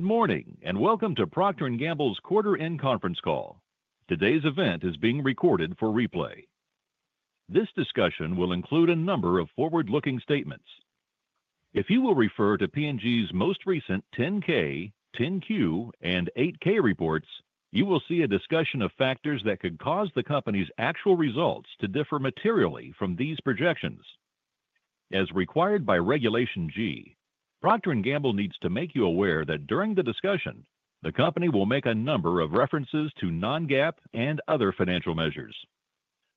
Good morning and welcome to Procter & Gamble's quarter-end conference call. Today's event is being recorded for replay. This discussion will include a number of forward-looking statements. If you will refer to P&G's most recent 10-K, 10-Q, and 8-K reports, you will see a discussion of factors that could cause the company's actual results to differ materially from these projections. As required by Regulation G, Procter & Gamble needs to make you aware that during the discussion, the company will make a number of references to non-GAAP and other financial measures.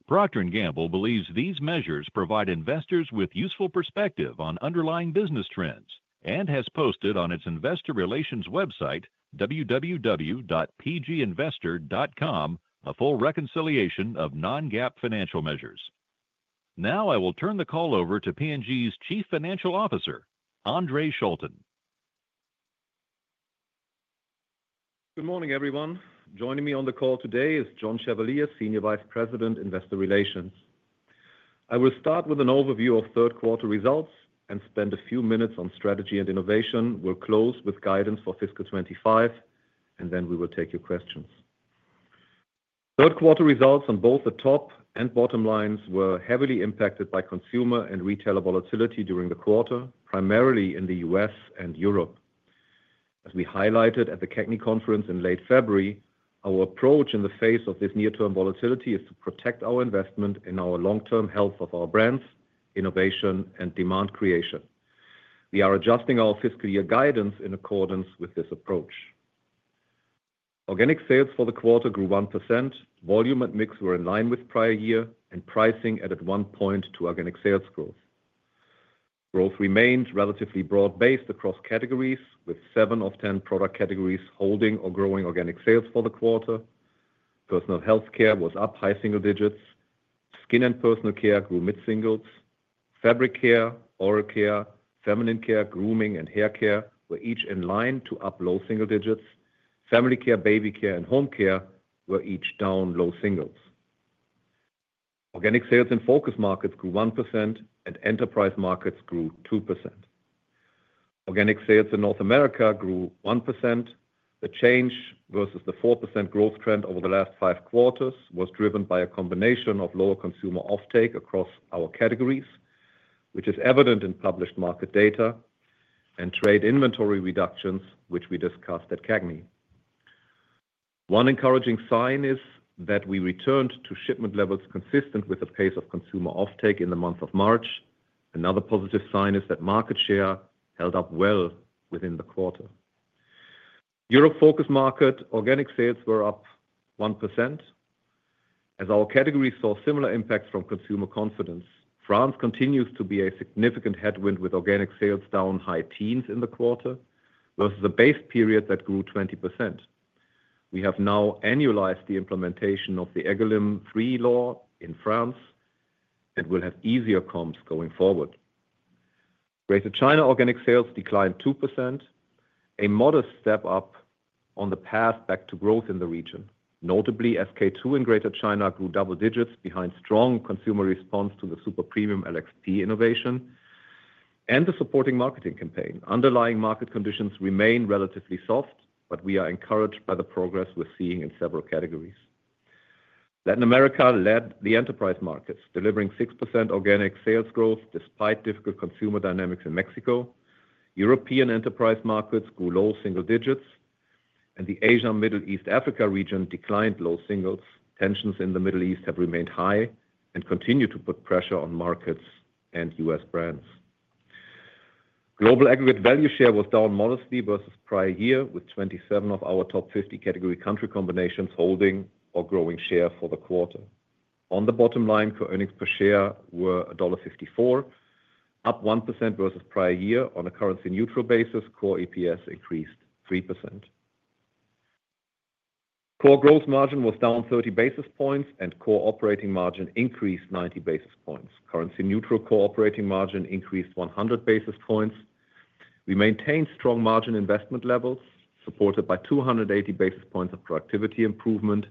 Procter & Gamble believes these measures provide investors with useful perspective on underlying business trends and has posted on its investor relations website, www.pginvestor.com, a full reconciliation of non-GAAP financial measures. Now I will turn the call over to P&G's Chief Financial Officer, Andre Schulten. Good morning, everyone. Joining me on the call today is John Chevalier, Senior Vice President, Investor Relations. I will start with an overview of third-quarter results and spend a few minutes on strategy and innovation. We'll close with guidance for fiscal 2025, and then we will take your questions. Third-quarter results on both the top and bottom lines were heavily impacted by consumer and retailer volatility during the quarter, primarily in the U.S. and Europe. As we highlighted at the CAGNY conference in late February, our approach in the face of this near-term volatility is to protect our investment in our long-term health of our brands, innovation, and demand creation. We are adjusting our fiscal year guidance in accordance with this approach. Organic sales for the quarter grew 1%. Volume and mix were in line with prior year, and pricing added one point to organic sales growth. Growth remained relatively broad-based across categories, with seven of ten product categories holding or growing organic sales for the quarter. Personal health care was up high single digits. Skin and personal care grew mid-singles. Fabric care, oral care, feminine care, grooming, and hair care were each in line to up low single digits. Family care, baby care, and home care were each down low singles. Organic sales in focus markets grew 1%, and enterprise markets grew 2%. Organic sales in North America grew 1%. The change versus the 4% growth trend over the last five quarters was driven by a combination of lower consumer offtake across our categories, which is evident in published market data and trade inventory reductions, which we discussed at CAGNY. One encouraging sign is that we returned to shipment levels consistent with the pace of consumer offtake in the month of March. Another positive sign is that market share held up well within the quarter. Europe focus market organic sales were up 1%. As our categories saw similar impacts from consumer confidence, France continues to be a significant headwind with organic sales down high teens in the quarter versus a base period that grew 20%. We have now annualized the implementation of the Egalim Free Law in France and will have easier comps going forward. Greater China organic sales declined 2%, a modest step up on the path back to growth in the region, notably as SK-II in Greater China grew double digits behind strong consumer response to the super premium LXP innovation and the supporting marketing campaign. Underlying market conditions remain relatively soft, but we are encouraged by the progress we're seeing in several categories. Latin America led the enterprise markets, delivering 6% organic sales growth despite difficult consumer dynamics in Mexico. European enterprise markets grew low single digits, and the Asia-Middle East Africa region declined low singles. Tensions in the Middle East have remained high and continue to put pressure on markets and US brands. Global aggregate value share was down modestly versus prior year, with 27 of our top 50 category country combinations holding or growing share for the quarter. On the bottom line, core earnings per share were $1.54, up 1% versus prior year on a currency-neutral basis. Core EPS increased 3%. Core growth margin was down 30 basis points, and core operating margin increased 90 basis points. Currency-neutral core operating margin increased 100 basis points. We maintained strong margin investment levels supported by 280 basis points of productivity improvement,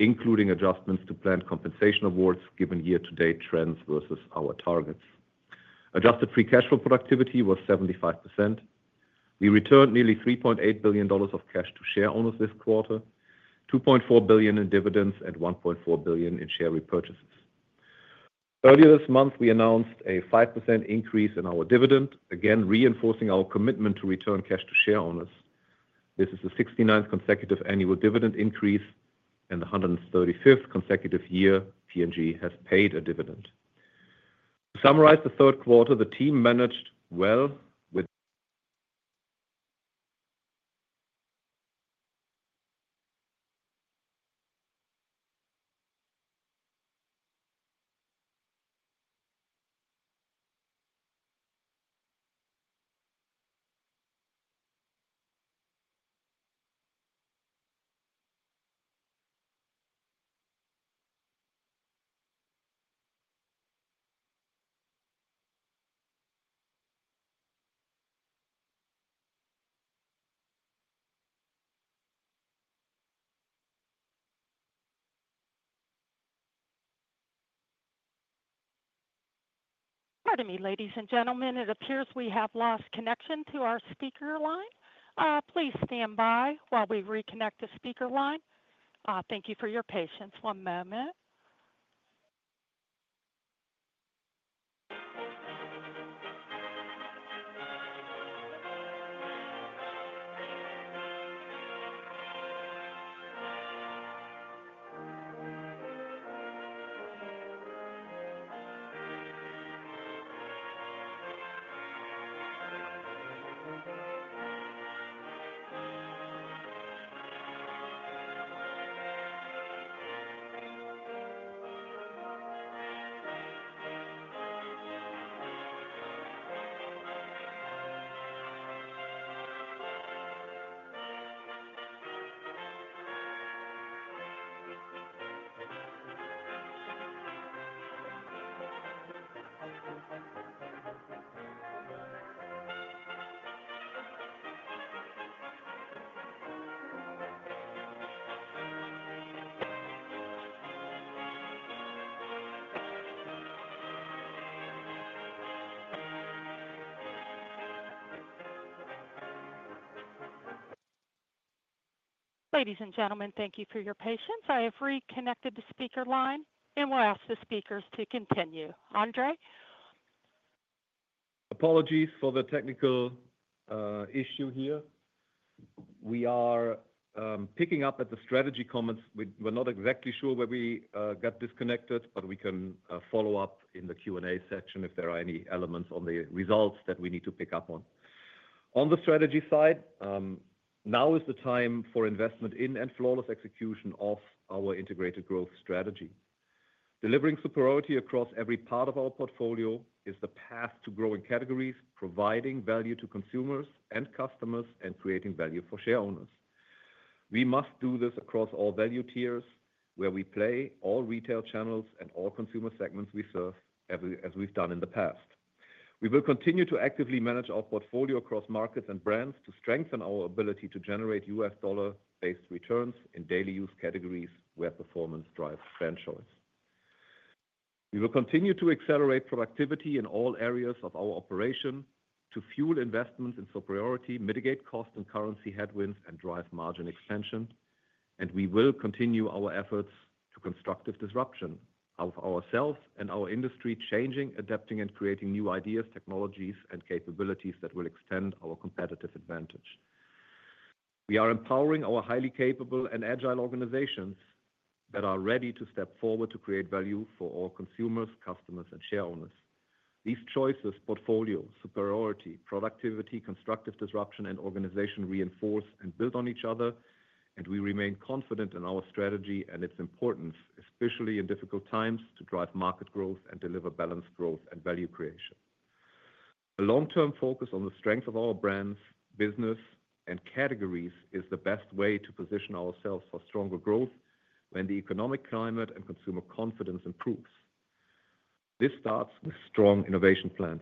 including adjustments to planned compensation awards given year-to-date trends versus our targets. Adjusted free cash flow productivity was 75%. We returned nearly $3.8 billion of cash to share owners this quarter, $2.4 billion in dividends and $1.4 billion in share repurchases. Earlier this month, we announced a 5% increase in our dividend, again reinforcing our commitment to return cash to share owners. This is the 69th consecutive annual dividend increase and the 135th consecutive year P&G has paid a dividend. To summarize the third quarter, the team managed well with. [Connection Lost] Pardon me, ladies and gentlemen. It appears we have lost connection to our speaker line. Please stand by while we reconnect the speaker line. Thank you for your patience. One moment. Ladies and gentlemen, thank you for your patience. I have reconnected the speaker line and will ask the speakers to continue. Andre? Apologies for the technical issue here. We are picking up at the strategy comments. We are not exactly sure where we got disconnected, but we can follow up in the Q&A section if there are any elements on the results that we need to pick up on. On the strategy side, now is the time for investment in and flawless execution of our integrated growth strategy. Delivering superiority across every part of our portfolio is the path to growing categories, providing value to consumers and customers and creating value for share owners. We must do this across all value tiers where we play, all retail channels, and all consumer segments we serve, as we have done in the past. We will continue to actively manage our portfolio across markets and brands to strengthen our ability to generate US dollar-based returns in daily use categories where performance drives brand choice. We will continue to accelerate productivity in all areas of our operation to fuel investments in superiority, mitigate cost and currency headwinds, and drive margin expansion. We will continue our efforts to constructive disruption of ourselves and our industry, changing, adapting, and creating new ideas, technologies, and capabilities that will extend our competitive advantage. We are empowering our highly capable and agile organizations that are ready to step forward to create value for all consumers, customers, and share owners. These choices, portfolio, superiority, productivity, constructive disruption, and organization reinforce and build on each other, and we remain confident in our strategy and its importance, especially in difficult times, to drive market growth and deliver balanced growth and value creation. A long-term focus on the strength of our brands, business, and categories is the best way to position ourselves for stronger growth when the economic climate and consumer confidence improves. This starts with strong innovation plans.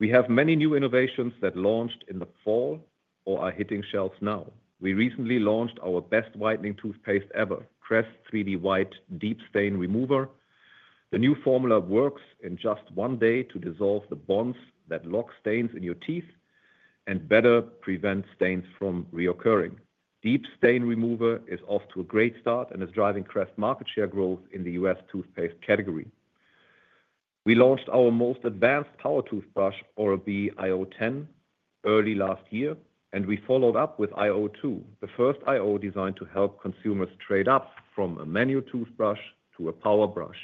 We have many new innovations that launched in the fall or are hitting shelves now. We recently launched our best whitening toothpaste ever, Crest 3D White Deep Stain Remover. The new formula works in just one day to dissolve the bonds that lock stains in your teeth and better prevent stains from reoccurring. Deep Stain Remover is off to a great start and is driving Crest market share growth in the US toothpaste category. We launched our most advanced power toothbrush, Oral-B iO10, early last year, and we followed up with iO2, the first iO designed to help consumers trade up from a manual toothbrush to a power brush.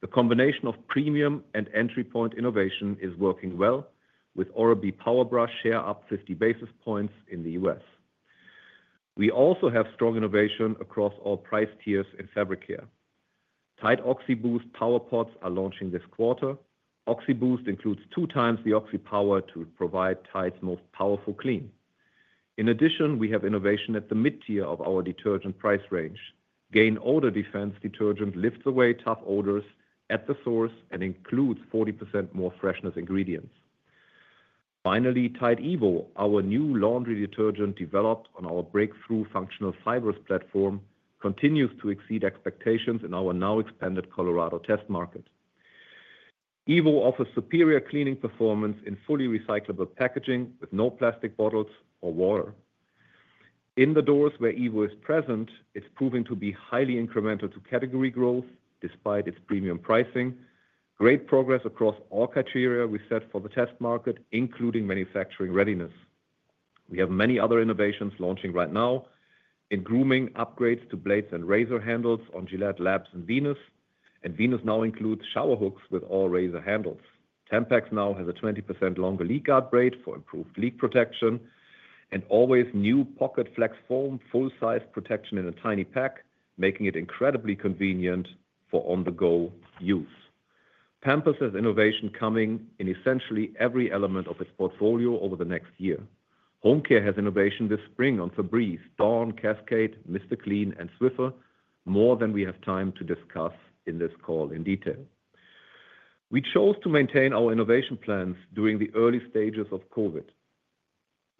The combination of premium and entry point innovation is working well, with Oral-B Power Brush share up 50 basis points in the US. We also have strong innovation across all price tiers in fabric care. Tide Oxy Boost Power Pods are launching this quarter. Oxy Boost includes two times the oxy power to provide Tide's most powerful clean. In addition, we have innovation at the mid-tier of our detergent price range. Gain Odor Defense detergent lifts away tough odors at the source and includes 40% more freshness ingredients. Finally, Tide Evo, our new laundry detergent developed on our breakthrough functional fibers platform, continues to exceed expectations in our now expanded Colorado test market. Evo offers superior cleaning performance in fully recyclable packaging with no plastic bottles or water. In the doors where Evo is present, it's proving to be highly incremental to category growth despite its premium pricing. Great progress across all criteria we set for the test market, including manufacturing readiness. We have many other innovations launching right now in grooming, upgrades to blades and razor handles on Gillette Labs and Venus, and Venus now includes shower hooks with all razor handles. Tampax now has a 20% longer leak guard braid for improved leak protection, and Always new pocket flex foam, full-size protection in a tiny pack, making it incredibly convenient for on-the-go use. Pampers has innovation coming in essentially every element of its portfolio over the next year. Home care has innovation this spring on Febreze, Dawn, Cascade, Mr. Clean, and Swiffer, more than we have time to discuss in this call in detail. We chose to maintain our innovation plans during the early stages of COVID.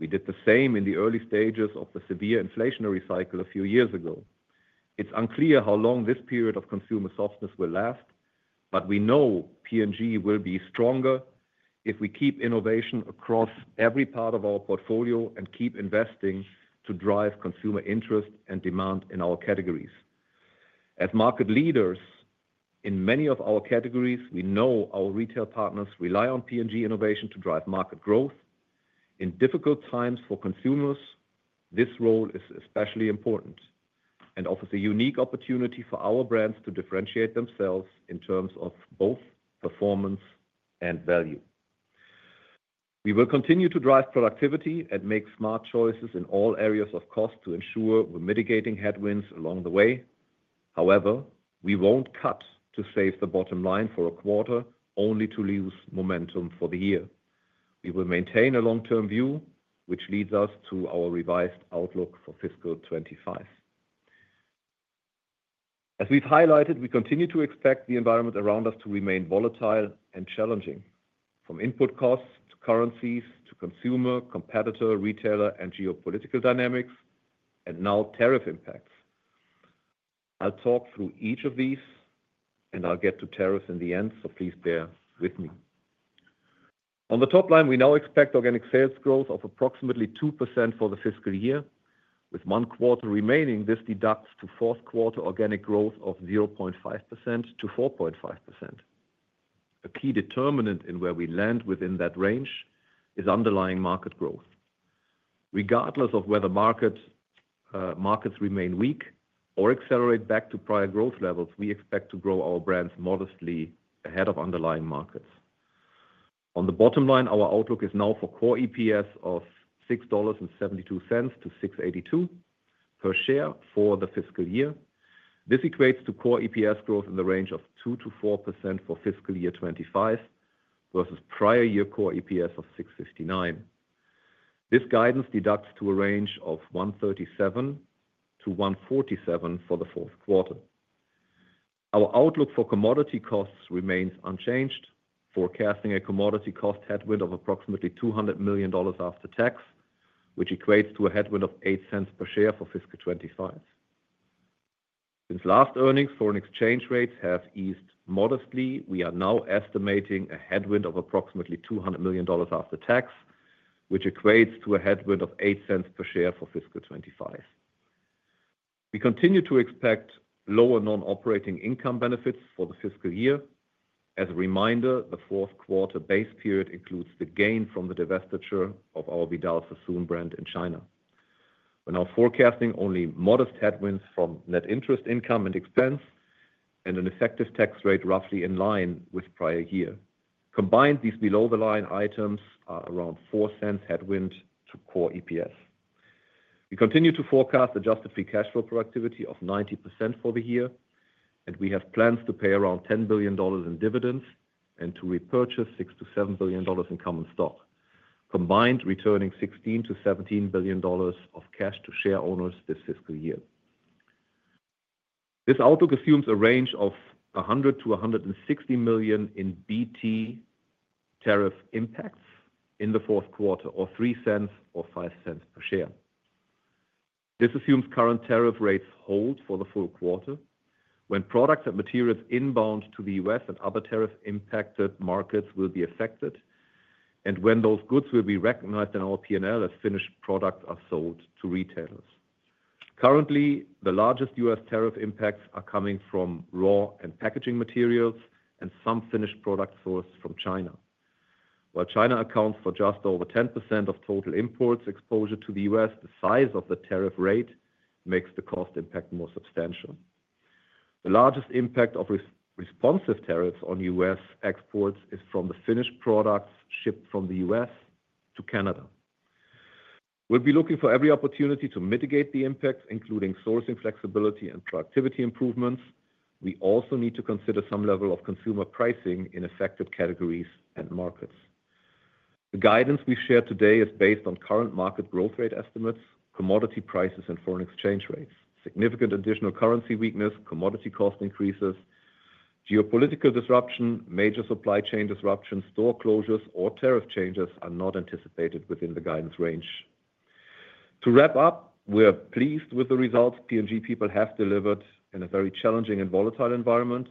We did the same in the early stages of the severe inflationary cycle a few years ago. It's unclear how long this period of consumer softness will last, but we know P&G will be stronger if we keep innovation across every part of our portfolio and keep investing to drive consumer interest and demand in our categories. As market leaders in many of our categories, we know our retail partners rely on P&G innovation to drive market growth. In difficult times for consumers, this role is especially important and offers a unique opportunity for our brands to differentiate themselves in terms of both performance and value. We will continue to drive productivity and make smart choices in all areas of cost to ensure we're mitigating headwinds along the way. However, we won't cut to save the bottom line for a quarter only to lose momentum for the year. We will maintain a long-term view, which leads us to our revised outlook for fiscal 2025. As we've highlighted, we continue to expect the environment around us to remain volatile and challenging, from input costs to currencies to consumer, competitor, retailer, and geopolitical dynamics, and now tariff impacts. I'll talk through each of these, and I'll get to tariffs in the end, so please bear with me. On the top line, we now expect organic sales growth of approximately 2% for the fiscal year. With one quarter remaining, this deducts to fourth quarter organic growth of 0.5%-4.5%. A key determinant in where we land within that range is underlying market growth. Regardless of whether markets remain weak or accelerate back to prior growth levels, we expect to grow our brands modestly ahead of underlying markets. On the bottom line, our outlook is now for core EPS of $6.72-$6.82 per share for the fiscal year. This equates to core EPS growth in the range of 2%-4% for fiscal year 2025 versus prior year core EPS of $6.59. This guidance deducts to a range of $1.37-$1.47 for the fourth quarter. Our outlook for commodity costs remains unchanged, forecasting a commodity cost headwind of approximately $200 million after tax, which equates to a headwind of $0.08 per share for fiscal 2025. Since last earnings, foreign exchange rates have eased modestly, we are now estimating a headwind of approximately $200 million after tax, which equates to a headwind of $0.08 per share for fiscal 2025. We continue to expect lower non-operating income benefits for the fiscal year. As a reminder, the fourth quarter base period includes the gain from the divestiture of our Vidal Sassoon brand in China. We're now forecasting only modest headwinds from net interest income and expense and an effective tax rate roughly in line with prior year. Combined, these below-the-line items are around $0.04 headwind to core EPS. We continue to forecast adjusted free cash flow productivity of 90% for the year, and we have plans to pay around $10 billion in dividends and to repurchase $6-$7 billion in common stock, combined returning $16-$17 billion of cash to share owners this fiscal year. This outlook assumes a range of $100-$160 million in BT tariff impacts in the fourth quarter, or $0.03 or $0.05 per share. This assumes current tariff rates hold for the full quarter when products and materials inbound to the U.S. and other tariff-impacted markets will be affected, and when those goods will be recognized in our P&L as finished products are sold to retailers. Currently, the largest U.S. tariff impacts are coming from raw and packaging materials and some finished product sourced from China. While China accounts for just over 10% of total imports exposure to the U.S., the size of the tariff rate makes the cost impact more substantial. The largest impact of responsive tariffs on U.S. exports is from the finished products shipped from the U.S. to Canada. We'll be looking for every opportunity to mitigate the impacts, including sourcing flexibility and productivity improvements. We also need to consider some level of consumer pricing in effective categories and markets. The guidance we shared today is based on current market growth rate estimates, commodity prices, and foreign exchange rates. Significant additional currency weakness, commodity cost increases, geopolitical disruption, major supply chain disruptions, store closures, or tariff changes are not anticipated within the guidance range. To wrap up, we're pleased with the results P&G people have delivered in a very challenging and volatile environment,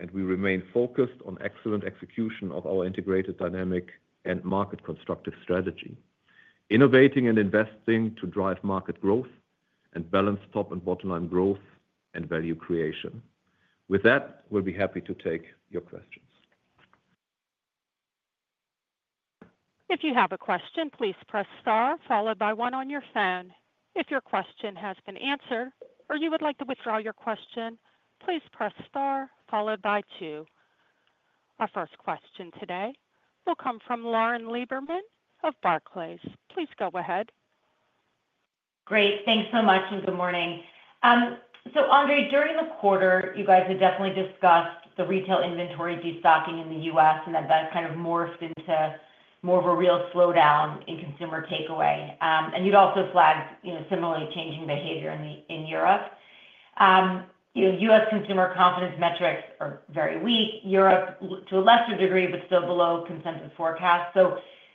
and we remain focused on excellent execution of our integrated dynamic and market constructive strategy, innovating and investing to drive market growth and balance top and bottom line growth and value creation. With that, we'll be happy to take your questions. If you have a question, please press star followed by one on your phone. If your question has been answered or you would like to withdraw your question, please press star followed by two. Our first question today will come from Lauren Lieberman of Barclays. Please go ahead. Great. Thanks so much and good morning. Andre, during the quarter, you guys had definitely discussed the retail inventory destocking in the U.S., and that that kind of morphed into more of a real slowdown in consumer takeaway. You'd also flagged similarly changing behavior in Europe. U.S. consumer confidence metrics are very weak. Europe, to a lesser degree, but still below consensus forecasts.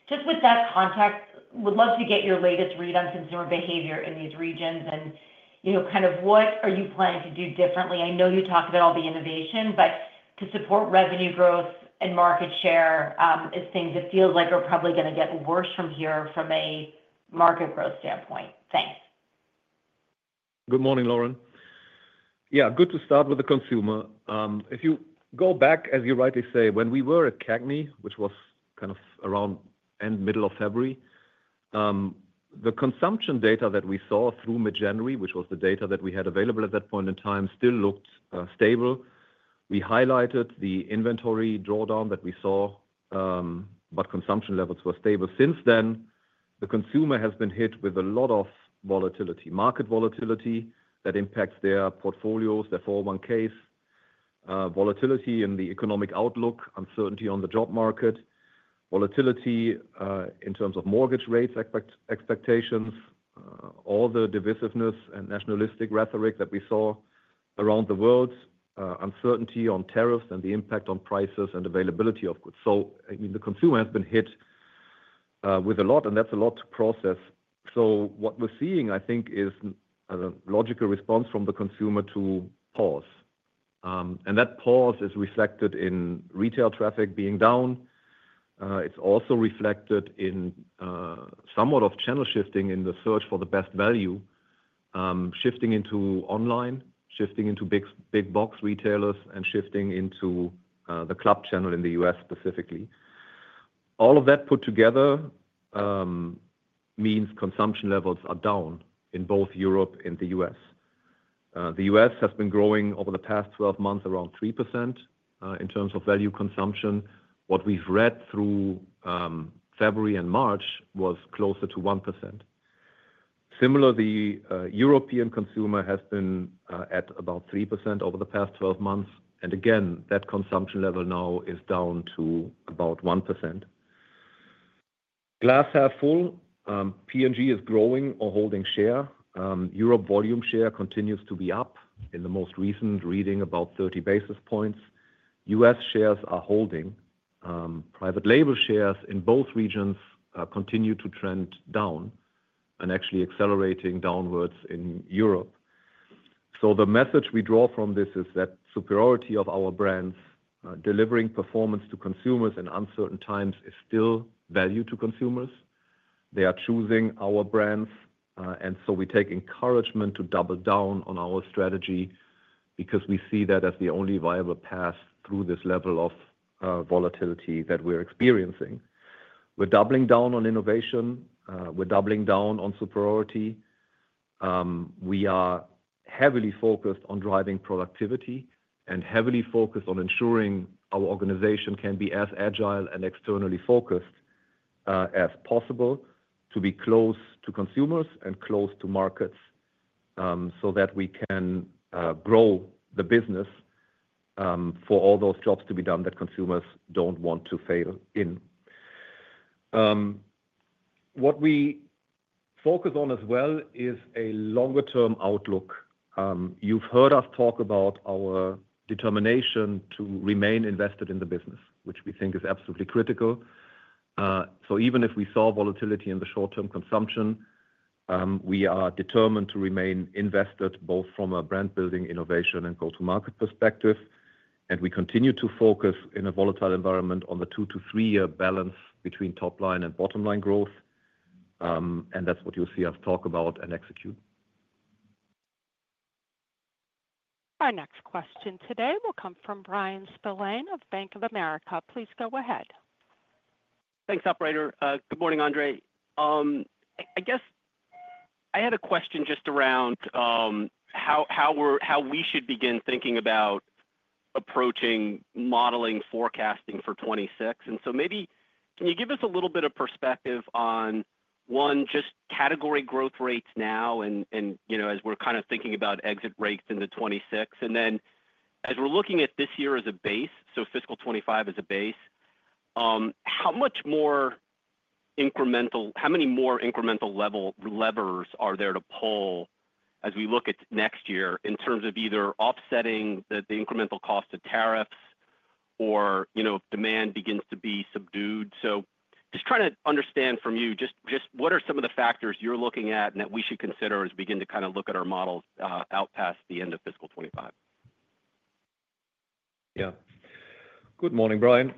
Just with that context, would love to get your latest read on consumer behavior in these regions and kind of what are you planning to do differently? I know you talked about all the innovation, but to support revenue growth and market share is things that feel like are probably going to get worse from here from a market growth standpoint. Thanks. Good morning, Lauren. Yeah, good to start with the consumer. If you go back, as you rightly say, when we were at Cagni, which was kind of around end middle of February, the consumption data that we saw through mid-January, which was the data that we had available at that point in time, still looked stable. We highlighted the inventory drawdown that we saw, but consumption levels were stable. Since then, the consumer has been hit with a lot of volatility, market volatility that impacts their portfolios, their 401(k)s, volatility in the economic outlook, uncertainty on the job market, volatility in terms of mortgage rates expectations, all the divisiveness and nationalistic rhetoric that we saw around the world, uncertainty on tariffs and the impact on prices and availability of goods. I mean, the consumer has been hit with a lot, and that's a lot to process. What we're seeing, I think, is a logical response from the consumer to pause. That pause is reflected in retail traffic being down. It's also reflected in somewhat of channel shifting in the search for the best value, shifting into online, shifting into big box retailers, and shifting into the club channel in the U.S. specifically. All of that put together means consumption levels are down in both Europe and the U.S. The U.S. has been growing over the past 12 months around 3% in terms of value consumption. What we've read through February and March was closer to 1%. Similarly, the European consumer has been at about 3% over the past 12 months. Again, that consumption level now is down to about 1%. Glass half full. P&G is growing or holding share. Europe volume share continues to be up in the most recent reading, about 30 basis points. U.S. shares are holding. Private label shares in both regions continue to trend down and actually accelerating downwards in Europe. The message we draw from this is that superiority of our brands, delivering performance to consumers in uncertain times, is still value to consumers. They are choosing our brands, and we take encouragement to double down on our strategy because we see that as the only viable path through this level of volatility that we are experiencing. We are doubling down on innovation. We are doubling down on superiority. We are heavily focused on driving productivity and heavily focused on ensuring our organization can be as agile and externally focused as possible to be close to consumers and close to markets so that we can grow the business for all those jobs to be done that consumers do not want to fail in. What we focus on as well is a longer-term outlook. You have heard us talk about our determination to remain invested in the business, which we think is absolutely critical. Even if we saw volatility in the short-term consumption, we are determined to remain invested both from a brand-building, innovation, and go-to-market perspective. We continue to focus in a volatile environment on the two to three-year balance between top-line and bottom-line growth. That is what you will see us talk about and execute. Our next question today will come from Bryan Spillane of Bank of America. Please go ahead. Thanks, operator. Good morning, Andre. I guess I had a question just around how we should begin thinking about approaching modeling forecasting for 2026. Maybe can you give us a little bit of perspective on, one, just category growth rates now as we're kind of thinking about exit rates in 2026? As we're looking at this year as a base, so fiscal 2025 as a base, how much more incremental levers are there to pull as we look at next year in terms of either offsetting the incremental cost of tariffs or if demand begins to be subdued? Just trying to understand from you just what are some of the factors you're looking at and that we should consider as we begin to kind of look at our models out past the end of fiscal 2025? Yeah. Good morning, Bryan.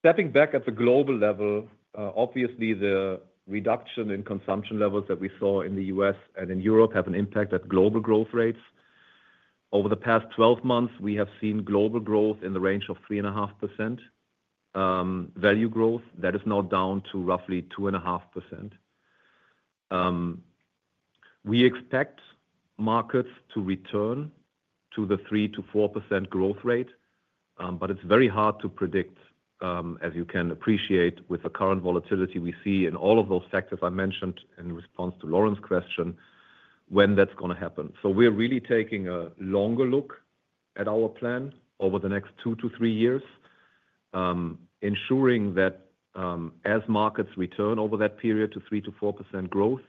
Stepping back at the global level, obviously, the reduction in consumption levels that we saw in the U.S. and in Europe have an impact at global growth rates. Over the past 12 months, we have seen global growth in the range of 3.5%. Value growth, that is now down to roughly 2.5%. We expect markets to return to the 3%-4% growth rate, but it's very hard to predict, as you can appreciate, with the current volatility we see in all of those factors I mentioned in response to Lauren's question, when that's going to happen. We're really taking a longer look at our plan over the next two to three years, ensuring that as markets return over that period to 3%-4% growth,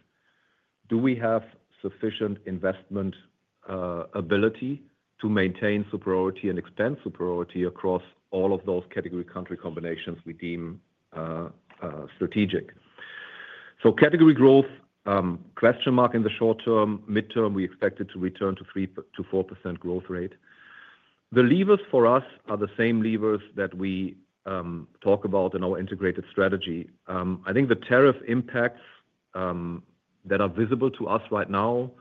do we have sufficient investment ability to maintain superiority and expand superiority across all of those category country combinations we deem strategic. Category growth, question mark in the short term. Midterm, we expect it to return to 3%-4% growth rate. The levers for us are the same levers that we talk about in our integrated strategy. I think the tariff impacts that are visible to us right now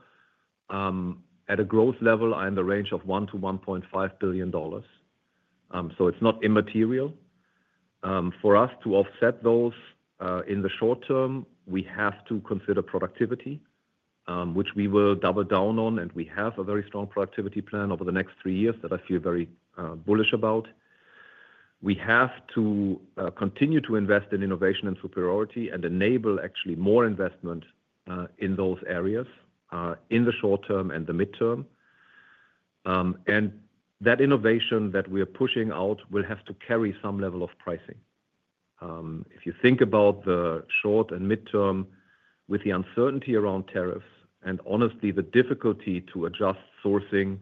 at a growth level are in the range of $1 billion-$1.5 billion. It's not immaterial. For us to offset those in the short term, we have to consider productivity, which we will double down on, and we have a very strong productivity plan over the next three years that I feel very bullish about. We have to continue to invest in innovation and superiority and enable actually more investment in those areas in the short term and the midterm. And that innovation that we are pushing out will have to carry some level of pricing. If you think about the short and midterm, with the uncertainty around tariffs and honestly, the difficulty to adjust sourcing,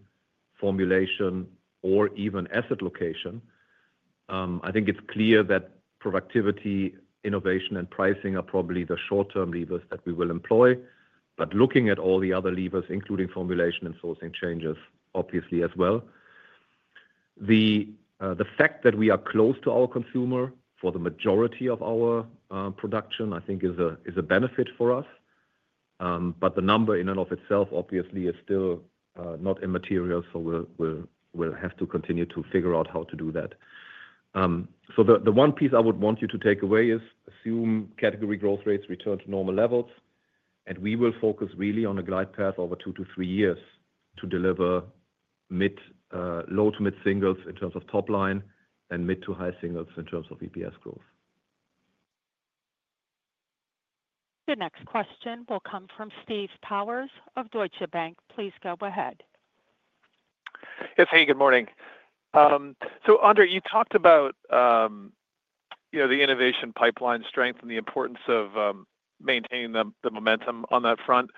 formulation, or even asset location, I think it is clear that productivity, innovation, and pricing are probably the short-term levers that we will employ. Looking at all the other levers, including formulation and sourcing changes, obviously as well. The fact that we are close to our consumer for the majority of our production, I think, is a benefit for us. The number in and of itself, obviously, is still not immaterial, so we'll have to continue to figure out how to do that. The one piece I would want you to take away is assume category growth rates return to normal levels, and we will focus really on a glide path over two to three years to deliver low to mid singles in terms of top line and mid to high singles in terms of EPS growth. The next question will come from Steve Powers of Deutsche Bank. Please go ahead. Yes. Hey, good morning. Andre, you talked about the innovation pipeline strength and the importance of maintaining the momentum on that front.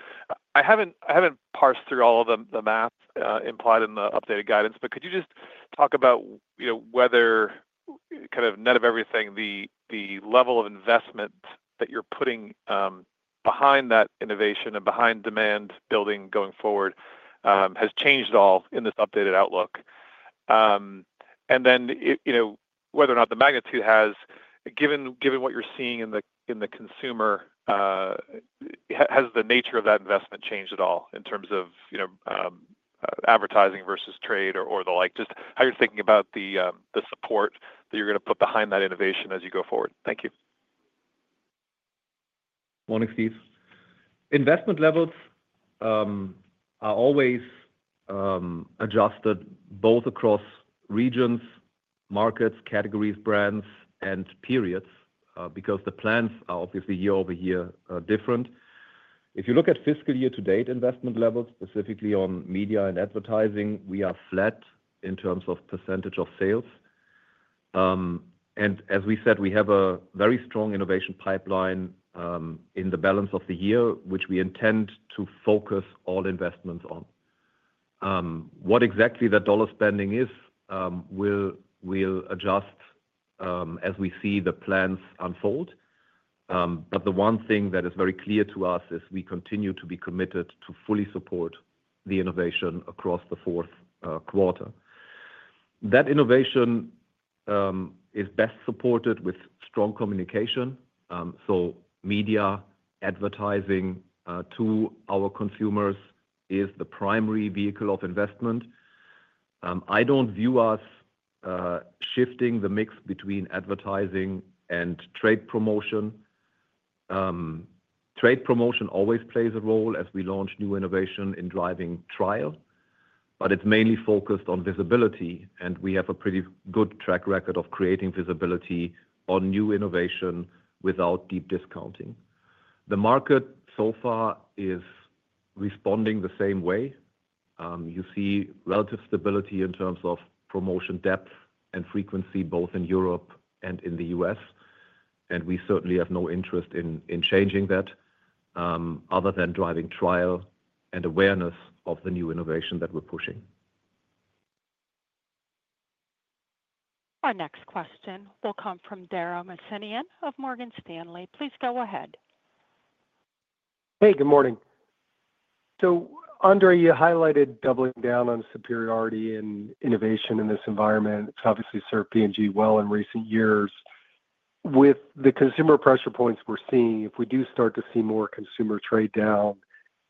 I have not parsed through all of the math implied in the updated guidance, but could you just talk about whether, kind of net of everything, the level of investment that you are putting behind that innovation and behind demand building going forward has changed at all in this updated outlook? Whether or not the magnitude has, given what you are seeing in the consumer, has the nature of that investment changed at all in terms of advertising versus trade or the like, just how you are thinking about the support that you are going to put behind that innovation as you go forward? Thank you. Morning, Steve. Investment levels are always adjusted both across regions, markets, categories, brands, and periods because the plans are obviously year over year different. If you look at fiscal year-to-date investment levels, specifically on media and advertising, we are flat in terms of percentage of sales. As we said, we have a very strong innovation pipeline in the balance of the year, which we intend to focus all investments on. What exactly that dollar spending is, we'll adjust as we see the plans unfold. The one thing that is very clear to us is we continue to be committed to fully support the innovation across the fourth quarter. That innovation is best supported with strong communication. Media, advertising to our consumers is the primary vehicle of investment. I don't view us shifting the mix between advertising and trade promotion. Trade promotion always plays a role as we launch new innovation in driving trial, but it's mainly focused on visibility, and we have a pretty good track record of creating visibility on new innovation without deep discounting. The market so far is responding the same way. You see relative stability in terms of promotion depth and frequency both in Europe and in the U.S., and we certainly have no interest in changing that other than driving trial and awareness of the new innovation that we're pushing. Our next question will come from Dara Mohsenian of Morgan Stanley. Please go ahead. Hey, good morning. Andre, you highlighted doubling down on superiority in innovation in this environment. It's obviously served P&G well in recent years. With the consumer pressure points we're seeing, if we do start to see more consumer trade down,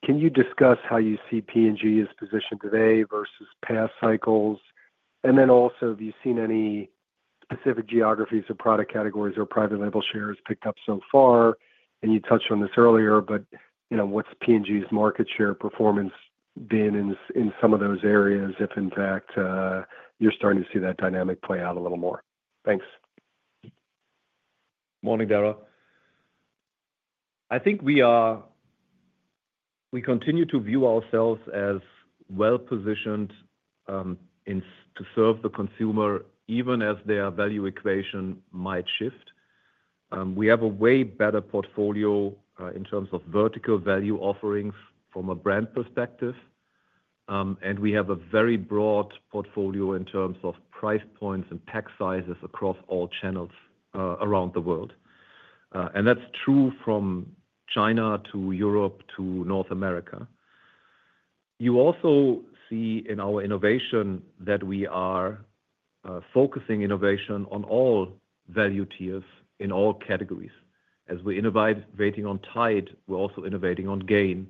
can you discuss how you see P&G's position today versus past cycles? Also, have you seen any specific geographies or product categories or private label shares picked up so far? You touched on this earlier, but what's P&G's market share performance been in some of those areas if, in fact, you're starting to see that dynamic play out a little more? Thanks. Morning, Dara. I think we continue to view ourselves as well-positioned to serve the consumer even as their value equation might shift. We have a way better portfolio in terms of vertical value offerings from a brand perspective, and we have a very broad portfolio in terms of price points and pack sizes across all channels around the world. That is true from China to Europe to North America. You also see in our innovation that we are focusing innovation on all value tiers in all categories. As we are innovating on Tide, we are also innovating on Gain.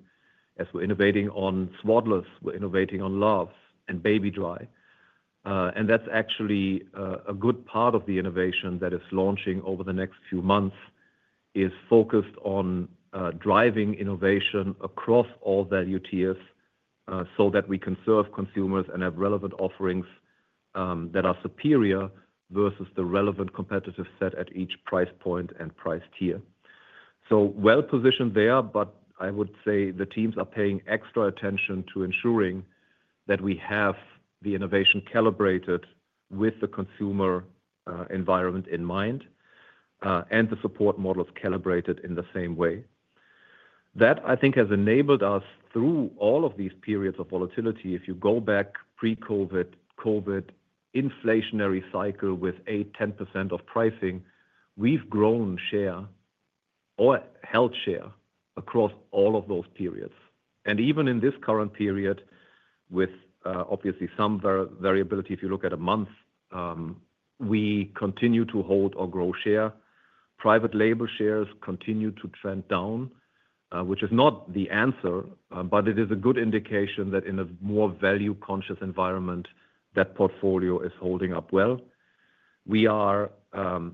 As we are innovating on Swaddlers, we are innovating on Love's and Baby Dry. That is actually a good part of the innovation that is launching over the next few months, focused on driving innovation across all value tiers so that we can serve consumers and have relevant offerings that are superior versus the relevant competitive set at each price point and price tier. We are well-positioned there. I would say the teams are paying extra attention to ensuring that we have the innovation calibrated with the consumer environment in mind and the support models calibrated in the same way. That, I think, has enabled us through all of these periods of volatility. If you go back pre-COVID, COVID, inflationary cycle with 8%-10% of pricing, we have grown share or held share across all of those periods. Even in this current period, with obviously some variability, if you look at a month, we continue to hold or grow share. Private label shares continue to trend down, which is not the answer, but it is a good indication that in a more value-conscious environment, that portfolio is holding up well. We are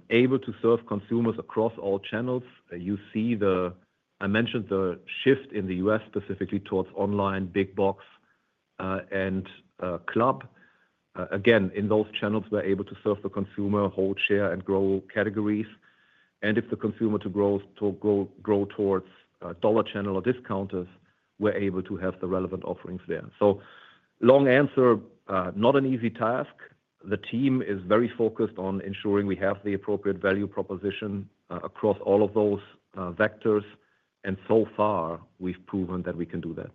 able to serve consumers across all channels. You see the I mentioned the shift in the U.S., specifically towards online, big box, and club. In those channels, we're able to serve the consumer, hold share, and grow categories. If the consumer were to grow towards dollar channel or discounters, we're able to have the relevant offerings there. Long answer, not an easy task. The team is very focused on ensuring we have the appropriate value proposition across all of those vectors. So far, we've proven that we can do that.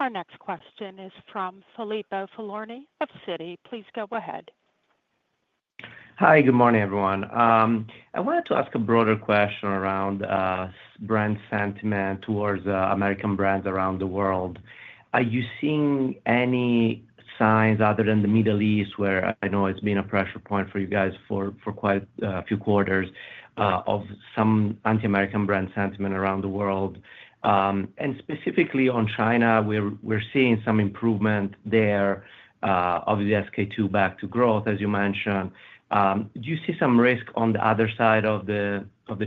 Our next question is from Filippo Falorni of Citi. Please go ahead. Hi, good morning, everyone. I wanted to ask a broader question around brand sentiment towards American brands around the world. Are you seeing any signs other than the Middle East, where I know it's been a pressure point for you guys for quite a few quarters, of some anti-American brand sentiment around the world? Specifically on China, we're seeing some improvement there, obviously SK-II back to growth, as you mentioned. Do you see some risk on the other side of the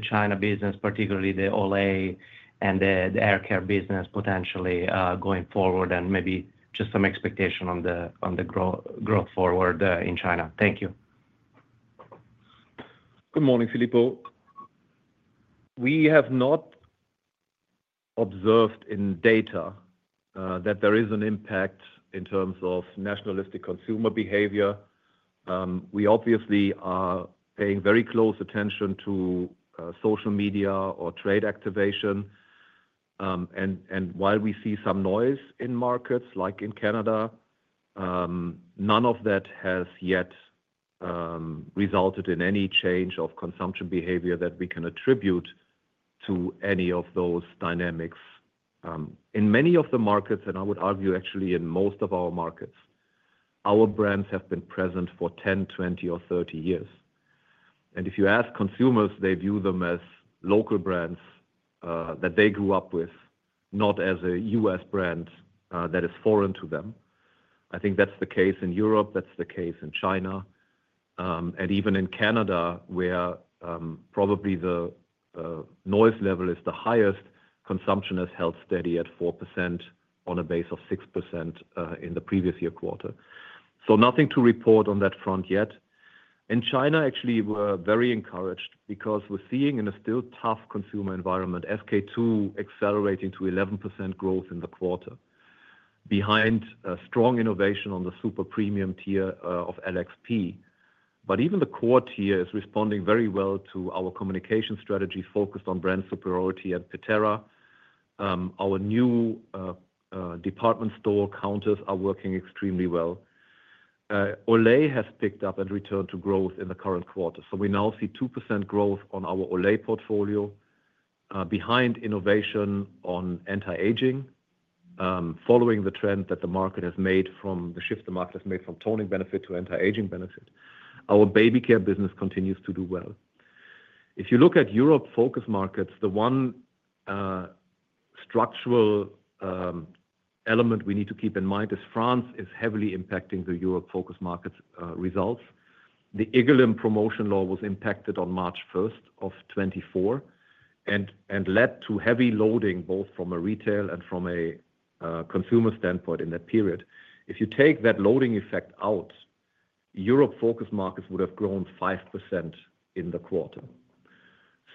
China business, particularly the Olay and the aircare business potentially going forward, and maybe just some expectation on the growth forward in China? Thank you. Good morning, Filippo. We have not observed in data that there is an impact in terms of nationalistic consumer behavior. We obviously are paying very close attention to social media or trade activation. While we see some noise in markets like in Canada, none of that has yet resulted in any change of consumption behavior that we can attribute to any of those dynamics. In many of the markets, and I would argue actually in most of our markets, our brands have been present for 10, 20, or 30 years. If you ask consumers, they view them as local brands that they grew up with, not as a US brand that is foreign to them. I think that's the case in Europe. That's the case in China. Even in Canada, where probably the noise level is the highest, consumption has held steady at 4% on a base of 6% in the previous year quarter. Nothing to report on that front yet. In China, actually, we are very encouraged because we are seeing in a still tough consumer environment SK-II accelerating to 11% growth in the quarter behind strong innovation on the super premium tier of LXP. Even the core tier is responding very well to our communication strategy focused on brand superiority at Patera. Our new department store counters are working extremely well. Olay has picked up and returned to growth in the current quarter. We now see 2% growth on our Olay portfolio behind innovation on anti-aging, following the trend that the market has made from the shift the market has made from toning benefit to anti-aging benefit. Our baby care business continues to do well. If you look at Europe-focused markets, the one structural element we need to keep in mind is France is heavily impacting the Europe-focused market results. The EGALIM promotion law was impacted on March 1 of 2024 and led to heavy loading both from a retail and from a consumer standpoint in that period. If you take that loading effect out, Europe-focused markets would have grown 5% in the quarter.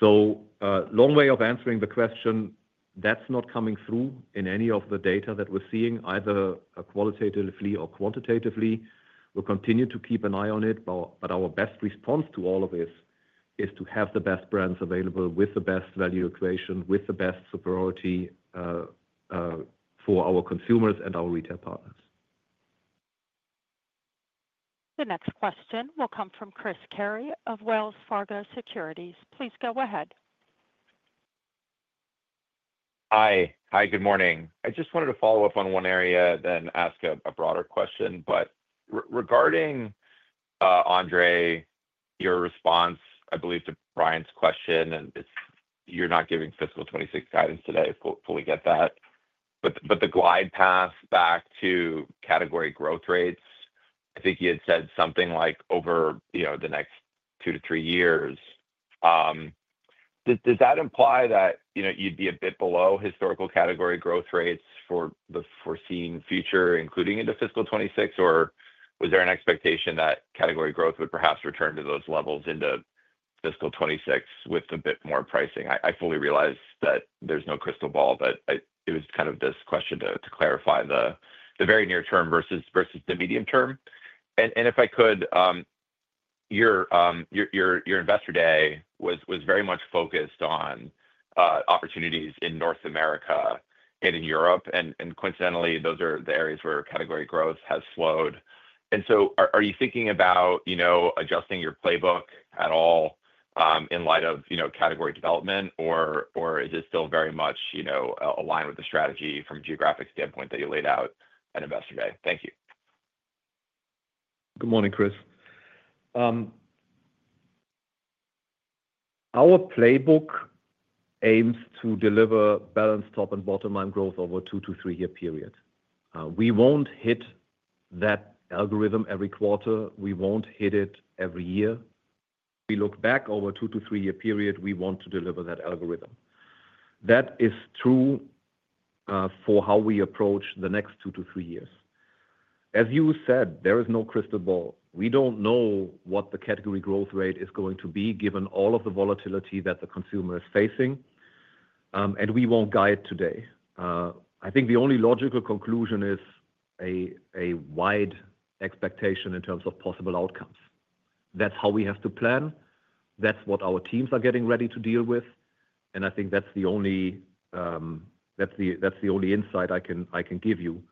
Long way of answering the question, that's not coming through in any of the data that we're seeing, either qualitatively or quantitatively. We'll continue to keep an eye on it, but our best response to all of this is to have the best brands available with the best value equation, with the best superiority for our consumers and our retail partners. The next question will come from Chris Carey of Wells Fargo Securities. Please go ahead. Hi. Hi, good morning. I just wanted to follow up on one area then ask a broader question. Regarding, Andre, your response, I believe, to Brian's question, and you're not giving fiscal 2026 guidance today. Hopefully, get that. The glide path back to category growth rates, I think you had said something like over the next two to three years. Does that imply that you'd be a bit below historical category growth rates for the foreseen future, including into fiscal 2026, or was there an expectation that category growth would perhaps return to those levels into fiscal 2026 with a bit more pricing? I fully realize that there's no crystal ball, but it was kind of this question to clarify the very near term versus the medium term. If I could, your investor day was very much focused on opportunities in North America and in Europe. Coincidentally, those are the areas where category growth has slowed. Are you thinking about adjusting your playbook at all in light of category development, or is it still very much aligned with the strategy from a geographic standpoint that you laid out at investor day? Thank you. Good morning, Chris. Our playbook aims to deliver balanced top and bottom line growth over a two to three-year period. We won't hit that algorithm every quarter. We won't hit it every year. We look back over a two to three-year period, we want to deliver that algorithm. That is true for how we approach the next two to three years. As you said, there is no crystal ball. We don't know what the category growth rate is going to be given all of the volatility that the consumer is facing, and we won't guide today. I think the only logical conclusion is a wide expectation in terms of possible outcomes. That is how we have to plan. That is what our teams are getting ready to deal with. I think that is the only insight I can give you.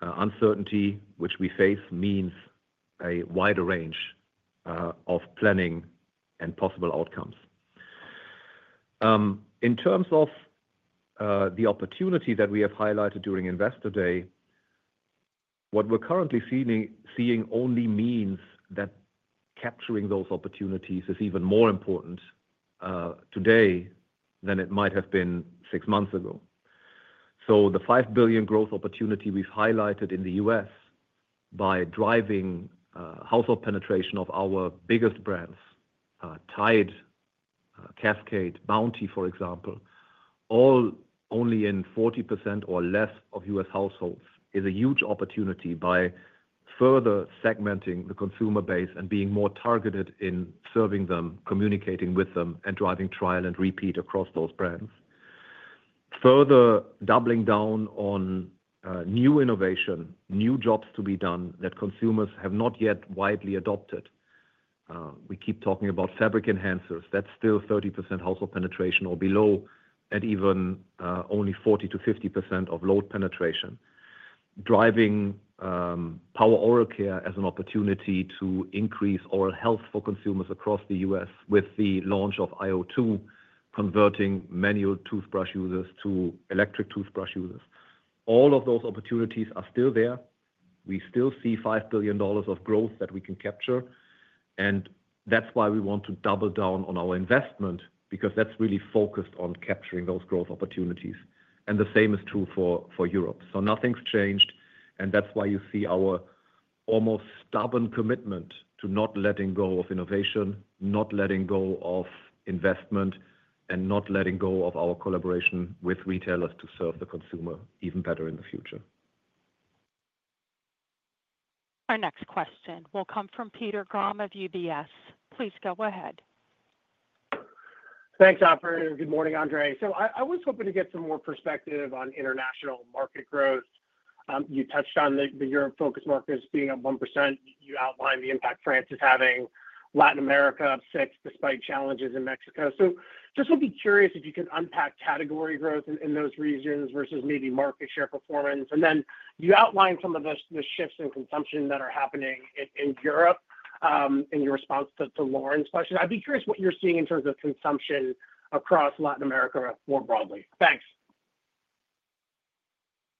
Uncertainty, which we face, means a wider range of planning and possible outcomes. In terms of the opportunity that we have highlighted during investor day, what we're currently seeing only means that capturing those opportunities is even more important today than it might have been six months ago. The $5 billion growth opportunity we've highlighted in the US by driving household penetration of our biggest brands, Tide, Cascade, Bounty, for example, all only in 40% or less of US households, is a huge opportunity by further segmenting the consumer base and being more targeted in serving them, communicating with them, and driving trial and repeat across those brands. Further doubling down on new innovation, new jobs to be done that consumers have not yet widely adopted. We keep talking about fabric enhancers. That's still 30% household penetration or below at even only 40-50% of load penetration. Driving power oral care as an opportunity to increase oral health for consumers across the U.S. with the launch of iO2, converting manual toothbrush users to electric toothbrush users. All of those opportunities are still there. We still see $5 billion of growth that we can capture. That is why we want to double down on our investment because that is really focused on capturing those growth opportunities. The same is true for Europe. Nothing's changed. That is why you see our almost stubborn commitment to not letting go of innovation, not letting go of investment, and not letting go of our collaboration with retailers to serve the consumer even better in the future. Our next question will come from Peter Grom of UBS. Please go ahead. Thanks, operator. Good morning, Andre. I was hoping to get some more perspective on international market growth. You touched on the Europe-focused markets being at 1%. You outlined the impact France is having, Latin America up 6% despite challenges in Mexico. I would be curious if you could unpack category growth in those regions versus maybe market share performance. You outlined some of the shifts in consumption that are happening in Europe in your response to Lauren's question. I would be curious what you are seeing in terms of consumption across Latin America more broadly. Thanks.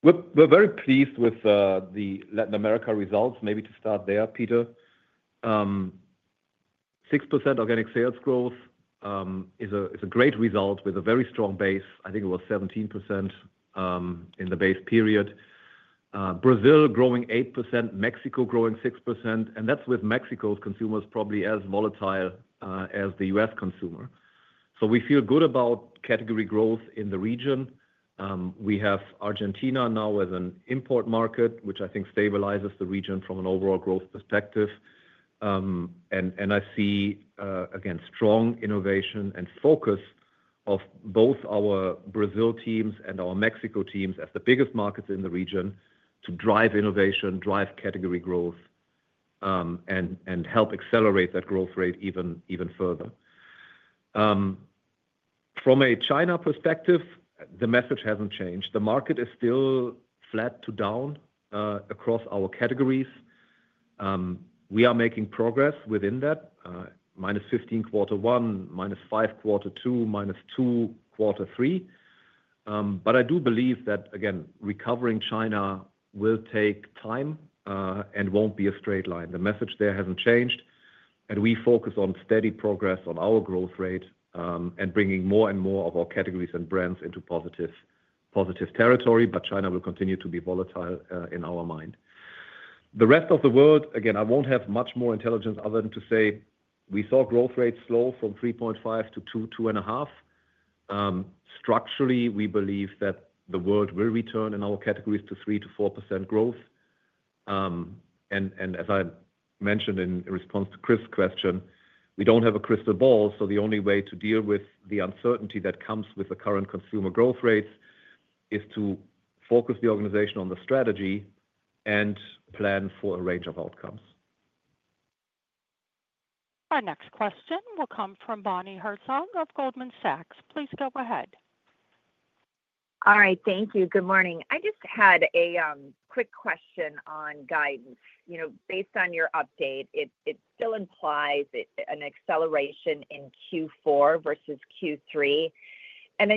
We're very pleased with the Latin America results, maybe to start there, Peter. 6% organic sales growth is a great result with a very strong base. I think it was 17% in the base period. Brazil growing 8%, Mexico growing 6%. That's with Mexico's consumers probably as volatile as the US consumer. We feel good about category growth in the region. We have Argentina now as an import market, which I think stabilizes the region from an overall growth perspective. I see, again, strong innovation and focus of both our Brazil teams and our Mexico teams as the biggest markets in the region to drive innovation, drive category growth, and help accelerate that growth rate even further. From a China perspective, the message hasn't changed. The market is still flat to down across our categories. We are making progress within that: minus 15 quarter one, minus 5 quarter two, minus 2 quarter three. I do believe that, again, recovering China will take time and will not be a straight line. The message there has not changed. We focus on steady progress on our growth rate and bringing more and more of our categories and brands into positive territory. China will continue to be volatile in our mind. The rest of the world, again, I will not have much more intelligence other than to say we saw growth rates slow from 3.5 to 2, 2 and a half. Structurally, we believe that the world will return in our categories to 3-4% growth. As I mentioned in response to Chris's question, we do not have a crystal ball. The only way to deal with the uncertainty that comes with the current consumer growth rates is to focus the organization on the strategy and plan for a range of outcomes. Our next question will come from Bonnie Herzog of Goldman Sachs. Please go ahead. All right. Thank you. Good morning. I just had a quick question on guidance. Based on your update, it still implies an acceleration in Q4 versus Q3.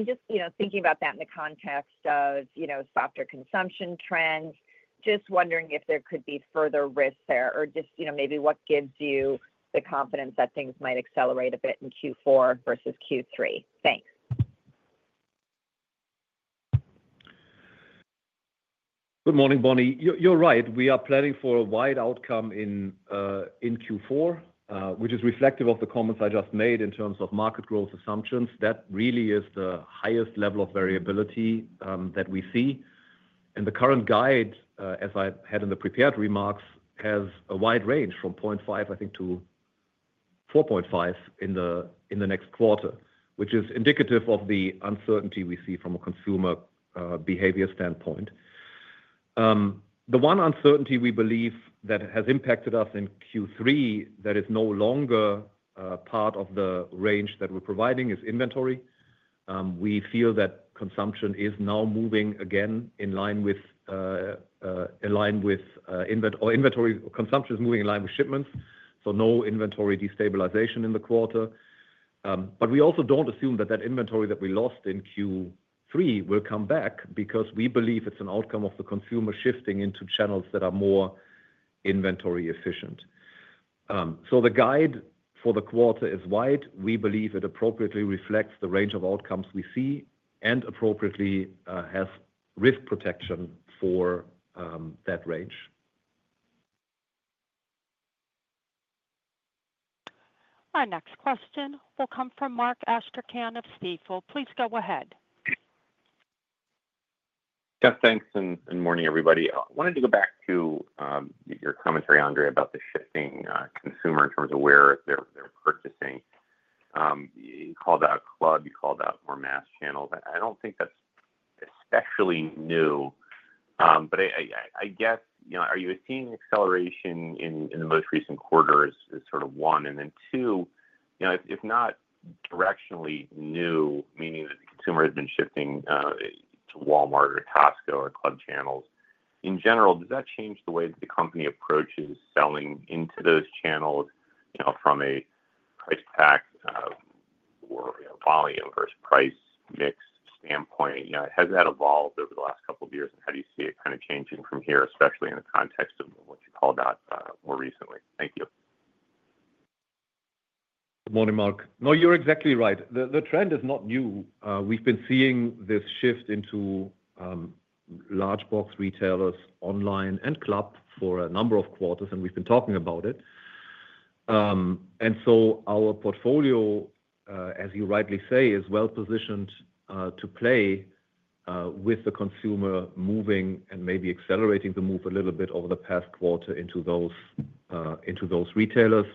Just thinking about that in the context of softer consumption trends, just wondering if there could be further risks there or just maybe what gives you the confidence that things might accelerate a bit in Q4 versus Q3. Thanks. Good morning, Bonnie. You're right. We are planning for a wide outcome in Q4, which is reflective of the comments I just made in terms of market growth assumptions. That really is the highest level of variability that we see. The current guide, as I had in the prepared remarks, has a wide range from 0.5% to 4.5% in the next quarter, which is indicative of the uncertainty we see from a consumer behavior standpoint. The one uncertainty we believe that has impacted us in Q3 that is no longer part of the range that we're providing is inventory. We feel that consumption is now moving again in line with, or inventory consumption is moving in line with, shipments. No inventory destabilization in the quarter. We also do not assume that that inventory that we lost in Q3 will come back because we believe it is an outcome of the consumer shifting into channels that are more inventory efficient. The guide for the quarter is wide. We believe it appropriately reflects the range of outcomes we see and appropriately has risk protection for that range. Our next question will come from Mark Astrachan of Stifel. Please go ahead. Yes, thanks. Morning, everybody. I wanted to go back to your commentary, Andre, about the shifting consumer in terms of where they're purchasing. You called out club. You called out more mass channels. I don't think that's especially new. I guess, are you seeing acceleration in the most recent quarter is sort of one. Two, if not directionally new, meaning that the consumer has been shifting to Walmart or Costco or club channels in general, does that change the way that the company approaches selling into those channels from a price pack or volume versus price mix standpoint? Has that evolved over the last couple of years? How do you see it kind of changing from here, especially in the context of what you called out more recently? Thank you. Good morning, Mark. No, you're exactly right. The trend is not new. We've been seeing this shift into large box retailers online and club for a number of quarters, and we've been talking about it. Our portfolio, as you rightly say, is well positioned to play with the consumer moving and maybe accelerating the move a little bit over the past quarter into those retailers.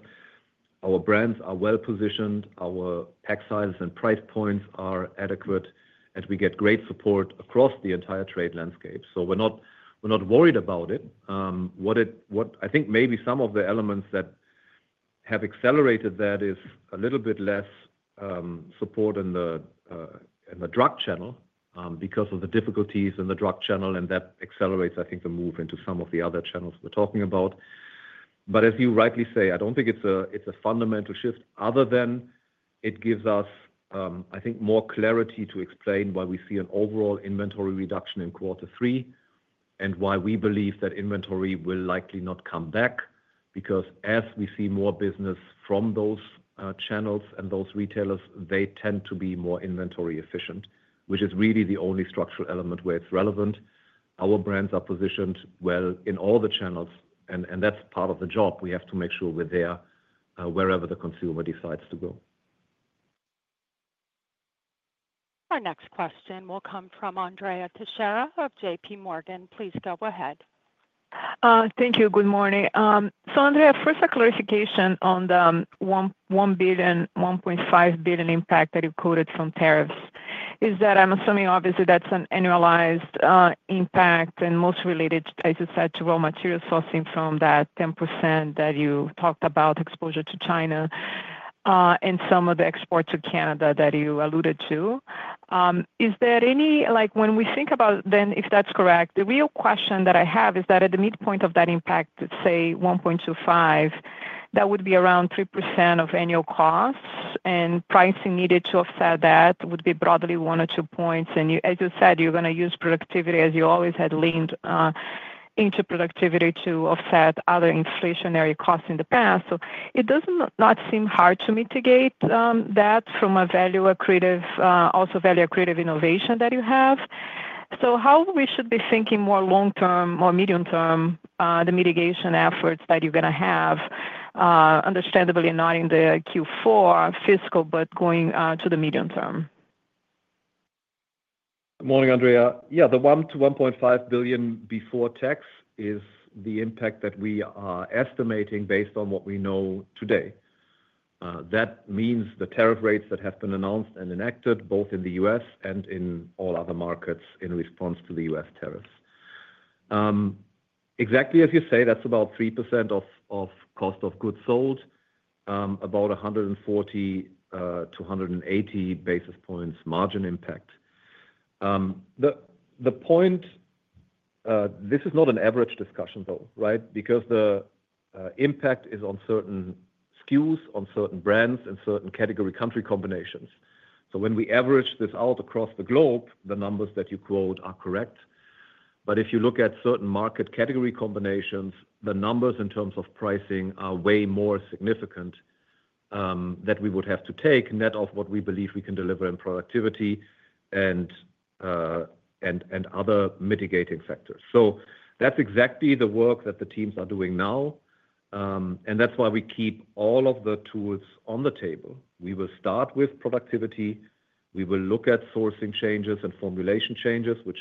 Our brands are well positioned. Our pack sizes and price points are adequate, and we get great support across the entire trade landscape. We're not worried about it. I think maybe some of the elements that have accelerated that is a little bit less support in the drug channel because of the difficulties in the drug channel, and that accelerates, I think, the move into some of the other channels we're talking about. As you rightly say, I do not think it is a fundamental shift other than it gives us, I think, more clarity to explain why we see an overall inventory reduction in quarter three and why we believe that inventory will likely not come back because as we see more business from those channels and those retailers, they tend to be more inventory efficient, which is really the only structural element where it is relevant. Our brands are positioned well in all the channels, and that is part of the job. We have to make sure we are there wherever the consumer decides to go. Our next question will come from Andrea Teixeira of JP Morgan. Please go ahead. Thank you. Good morning. Andre, first, a clarification on the $1 billion-$1.5 billion impact that you quoted from tariffs. I'm assuming, obviously, that's an annualized impact and most related, as you said, to raw material sourcing from that 10% that you talked about, exposure to China, and some of the exports to Canada that you alluded to. Is there any, when we think about then, if that's correct, the real question that I have is that at the midpoint of that impact, say, $1.25 billion, that would be around 3% of annual costs, and pricing needed to offset that would be broadly one or two points. As you said, you're going to use productivity, as you always had leaned into productivity to offset other inflationary costs in the past. It does not seem hard to mitigate that from a value-accretive, also value-accretive innovation that you have. How should we be thinking more long-term or medium-term, the mitigation efforts that you're going to have, understandably not in the Q4 fiscal, but going to the medium-term. Good morning, Andrea. Yeah, the $1 billion-$1.5 billion before tax is the impact that we are estimating based on what we know today. That means the tariff rates that have been announced and enacted both in the U.S. and in all other markets in response to the U.S. tariffs. Exactly as you say, that's about 3% of cost of goods sold, about 140-180 basis points margin impact. The point, this is not an average discussion, though, right? Because the impact is on certain SKUs, on certain brands, and certain category country combinations. When we average this out across the globe, the numbers that you quote are correct. If you look at certain market category combinations, the numbers in terms of pricing are way more significant that we would have to take net of what we believe we can deliver in productivity and other mitigating factors. That's exactly the work that the teams are doing now. That's why we keep all of the tools on the table. We will start with productivity. We will look at sourcing changes and formulation changes, which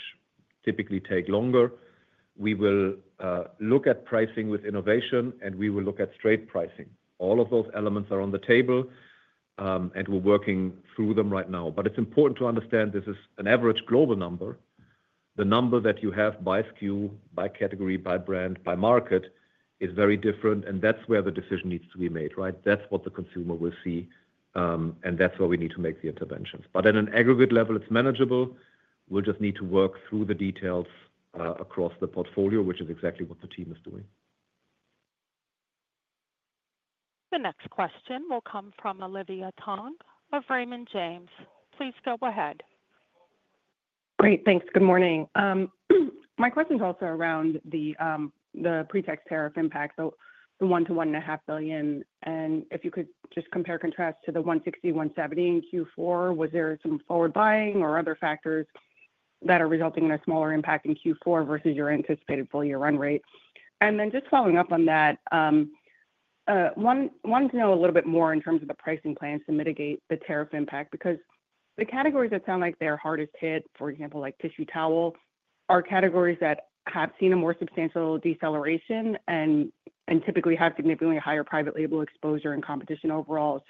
typically take longer. We will look at pricing with innovation, and we will look at straight pricing. All of those elements are on the table, and we're working through them right now. It's important to understand this is an average global number. The number that you have by SKU, by category, by brand, by market is very different. That's where the decision needs to be made, right? That's what the consumer will see. That's where we need to make the interventions. At an aggregate level, it's manageable. We'll just need to work through the details across the portfolio, which is exactly what the team is doing. The next question will come from Olivia Tong of Raymond James. Please go ahead. Great. Thanks. Good morning. My question is also around the pre-tax tariff impact, the $1 billion to $1.5 billion. If you could just compare and contrast to the $160 million, $170 million in Q4, was there some forward buying or other factors that are resulting in a smaller impact in Q4 versus your anticipated full-year run rate? Following up on that, wanting to know a little bit more in terms of the pricing plans to mitigate the tariff impact because the categories that sound like they're hardest hit, for example, like tissue towel, are categories that have seen a more substantial deceleration and typically have significantly higher private label exposure and competition overall.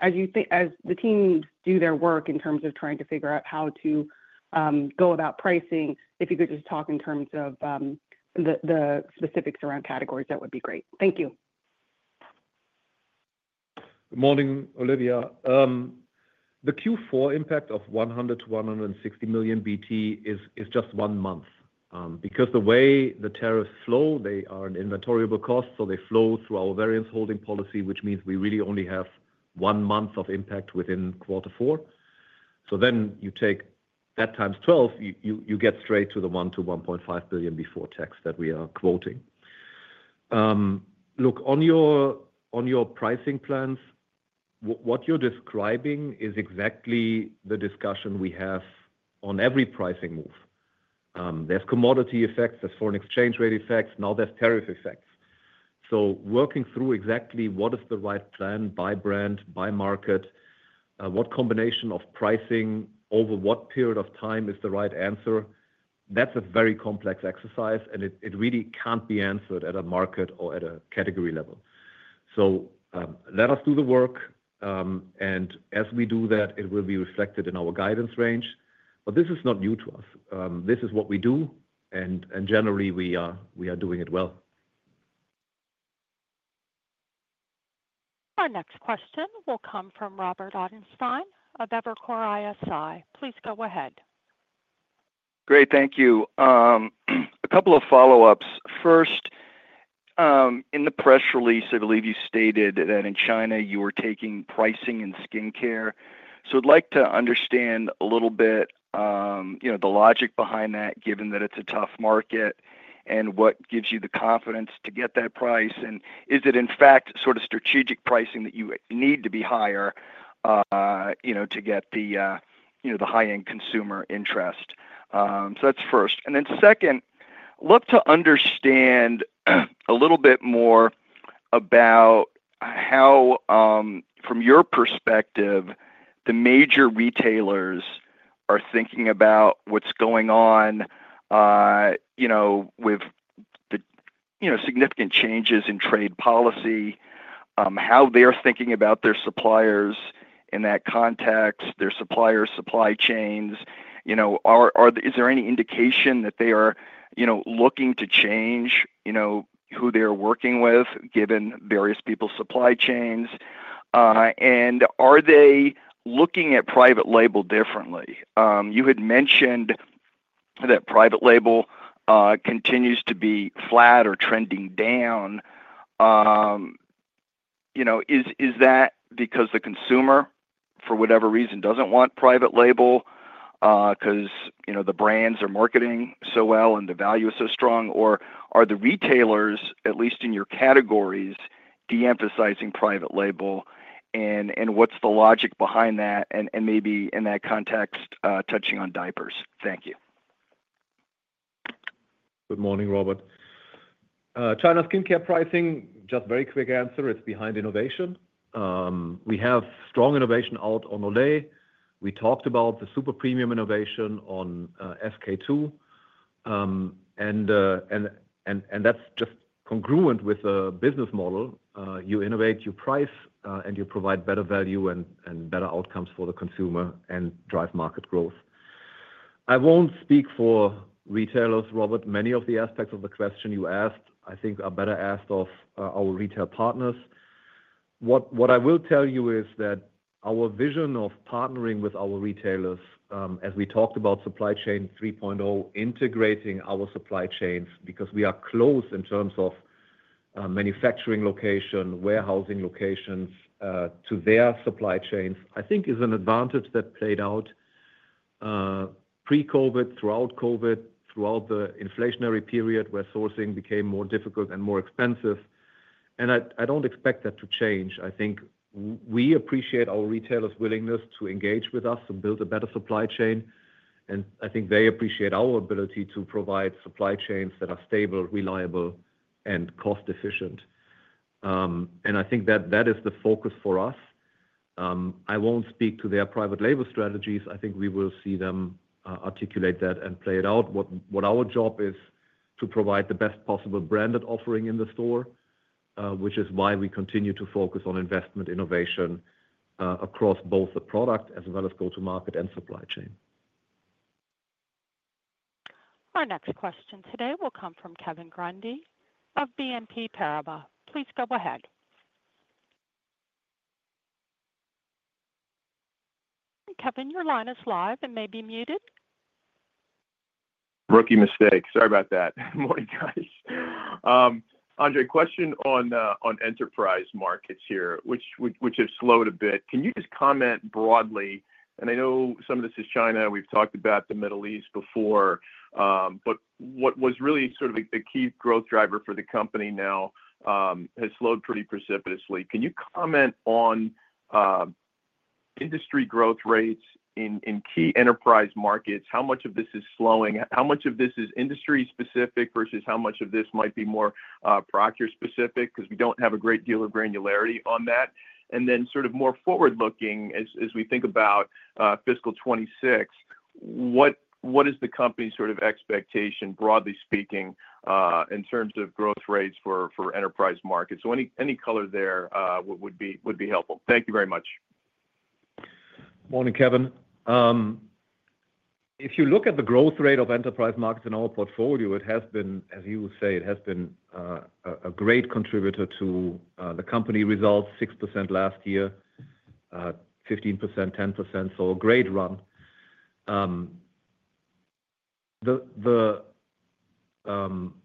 As the teams do their work in terms of trying to figure out how to go about pricing, if you could just talk in terms of the specifics around categories, that would be great. Thank you. Good morning, Olivia. The Q4 impact of $100 million-$160 million before tax is just one month because the way the tariffs flow, they are an inventoriable cost. They flow through our variance holding policy, which means we really only have one month of impact within quarter four. You take that times 12, you get straight to the $1 billion-$1.5 billion before tax that we are quoting. Look, on your pricing plans, what you're describing is exactly the discussion we have on every pricing move. There are commodity effects, there are foreign exchange rate effects. Now there are tariff effects. Working through exactly what is the right plan by brand, by market, what combination of pricing over what period of time is the right answer, that is a very complex exercise, and it really cannot be answered at a market or at a category level. Let us do the work. As we do that, it will be reflected in our guidance range. This is not new to us. This is what we do. Generally, we are doing it well. Our next question will come from Robert Ottenstein of Evercore ISI. Please go ahead. Great. Thank you. A couple of follow-ups. First, in the press release, I believe you stated that in China, you were taking pricing in skincare. I would like to understand a little bit the logic behind that, given that it is a tough market, and what gives you the confidence to get that price? Is it, in fact, sort of strategic pricing that you need to be higher to get the high-end consumer interest? That is first. Second, I would love to understand a little bit more about how, from your perspective, the major retailers are thinking about what is going on with the significant changes in trade policy, how they are thinking about their suppliers in that context, their supplier supply chains. Is there any indication that they are looking to change who they are working with, given various people's supply chains? Are they looking at private label differently? You had mentioned that private label continues to be flat or trending down. Is that because the consumer, for whatever reason, does not want private label because the brands are marketing so well and the value is so strong? Are the retailers, at least in your categories, de-emphasizing private label? What is the logic behind that? Maybe in that context, touching on diapers. Thank you. Good morning, Robert. China skincare pricing, just very quick answer, it is behind innovation. We have strong innovation out on Olay. We talked about the super premium innovation on SK-II. That is just congruent with a business model. You innovate, you price, and you provide better value and better outcomes for the consumer and drive market growth. I will not speak for retailers, Robert. Many of the aspects of the question you asked, I think, are better asked of our retail partners. What I will tell you is that our vision of partnering with our retailers, as we talked about supply chain 3.0, integrating our supply chains because we are close in terms of manufacturing location, warehousing locations to their supply chains, I think, is an advantage that played out pre-COVID, throughout COVID, throughout the inflationary period where sourcing became more difficult and more expensive. I do not expect that to change. I think we appreciate our retailers' willingness to engage with us to build a better supply chain. I think they appreciate our ability to provide supply chains that are stable, reliable, and cost-efficient. I think that that is the focus for us. I will not speak to their private label strategies. I think we will see them articulate that and play it out. What our job is to provide the best possible branded offering in the store, which is why we continue to focus on investment innovation across both the product as well as go-to-market and supply chain. Our next question today will come from Kevin Grundy of BNP Paribas. Please go ahead. Kevin, your line is live and may be muted. Rookie mistake. Sorry about that. Morning, guys. Andre, question on enterprise markets here, which have slowed a bit. Can you just comment broadly? I know some of this is China. We have talked about the Middle East before. What was really sort of a key growth driver for the company now has slowed pretty precipitously. Can you comment on industry growth rates in key enterprise markets? How much of this is slowing? How much of this is industry-specific versus how much of this might be more P&G-specific? We do not have a great deal of granularity on that. More forward-looking, as we think about fiscal 2026, what is the company's sort of expectation, broadly speaking, in terms of growth rates for enterprise markets? Any color there would be helpful. Thank you very much. Morning, Kevin. If you look at the growth rate of enterprise markets in our portfolio, it has been, as you say, it has been a great contributor to the company results, 6% last year, 15%, 10%. A great run. The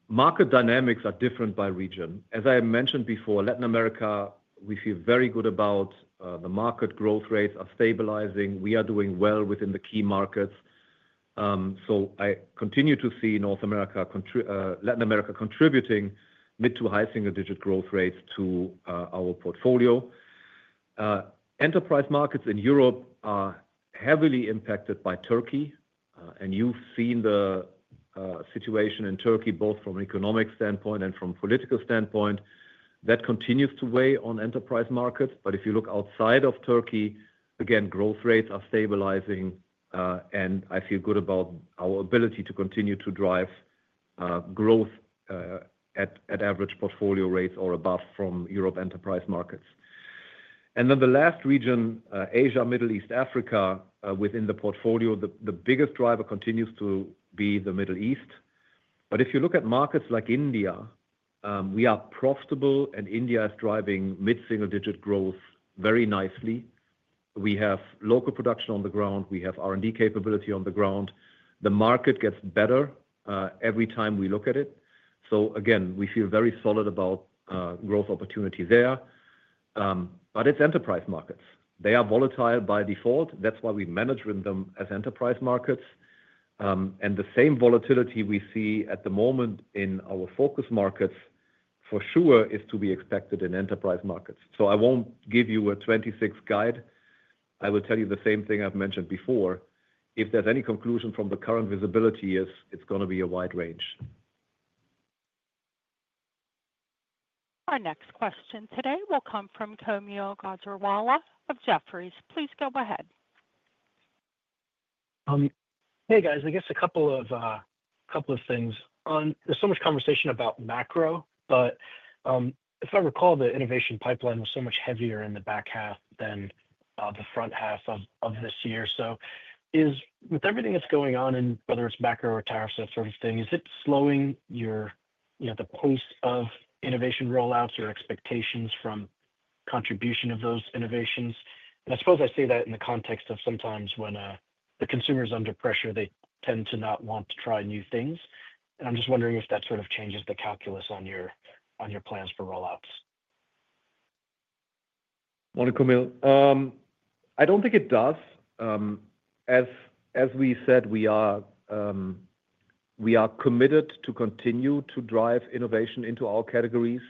market dynamics are different by region. As I mentioned before, Latin America, we feel very good about the market growth rates are stabilizing. We are doing well within the key markets. I continue to see Latin America contributing mid to high single-digit growth rates to our portfolio. Enterprise markets in Europe are heavily impacted by Turkey. You have seen the situation in Turkey, both from an economic standpoint and from a political standpoint. That continues to weigh on enterprise markets. If you look outside of Turkey, again, growth rates are stabilizing. I feel good about our ability to continue to drive growth at average portfolio rates or above from Europe enterprise markets. The last region, Asia, Middle East, Africa, within the portfolio, the biggest driver continues to be the Middle East. If you look at markets like India, we are profitable, and India is driving mid-single-digit growth very nicely. We have local production on the ground. We have R&D capability on the ground. The market gets better every time we look at it. Again, we feel very solid about growth opportunity there. It's enterprise markets. They are volatile by default. That's why we manage them as enterprise markets. The same volatility we see at the moment in our focus markets, for sure, is to be expected in enterprise markets. I won't give you a 2026 guide. I will tell you the same thing I've mentioned before. If there's any conclusion from the current visibility, it's going to be a wide range. Our next question today will come from Kaumil Gajrawala of Jefferies. Please go ahead. Hey, guys. I guess a couple of things. There is so much conversation about macro. If I recall, the innovation pipeline was so much heavier in the back half than the front half of this year. With everything that is going on, whether it is macro or tariffs, that sort of thing, is it slowing the pace of innovation rollouts or expectations from contribution of those innovations? I suppose I say that in the context of sometimes when the consumer is under pressure, they tend to not want to try new things. I am just wondering if that sort of changes the calculus on your plans for rollouts. Morning, Komiel. I do not think it does. As we said, we are committed to continue to drive innovation into our categories.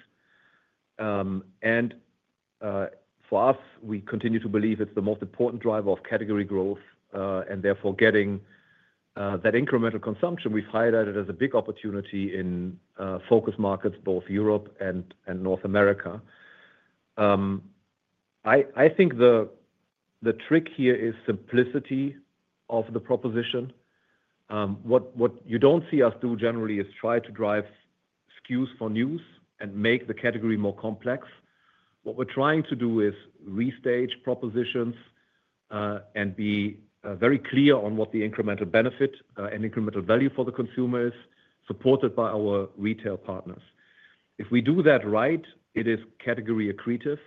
For us, we continue to believe it is the most important driver of category growth and therefore getting that incremental consumption. We have highlighted it as a big opportunity in focus markets, both Europe and North America. I think the trick here is simplicity of the proposition. What you do not see us do generally is try to drive SKUs for news and make the category more complex. What we are trying to do is restage propositions and be very clear on what the incremental benefit and incremental value for the consumer is, supported by our retail partners. If we do that right, it is category accretive.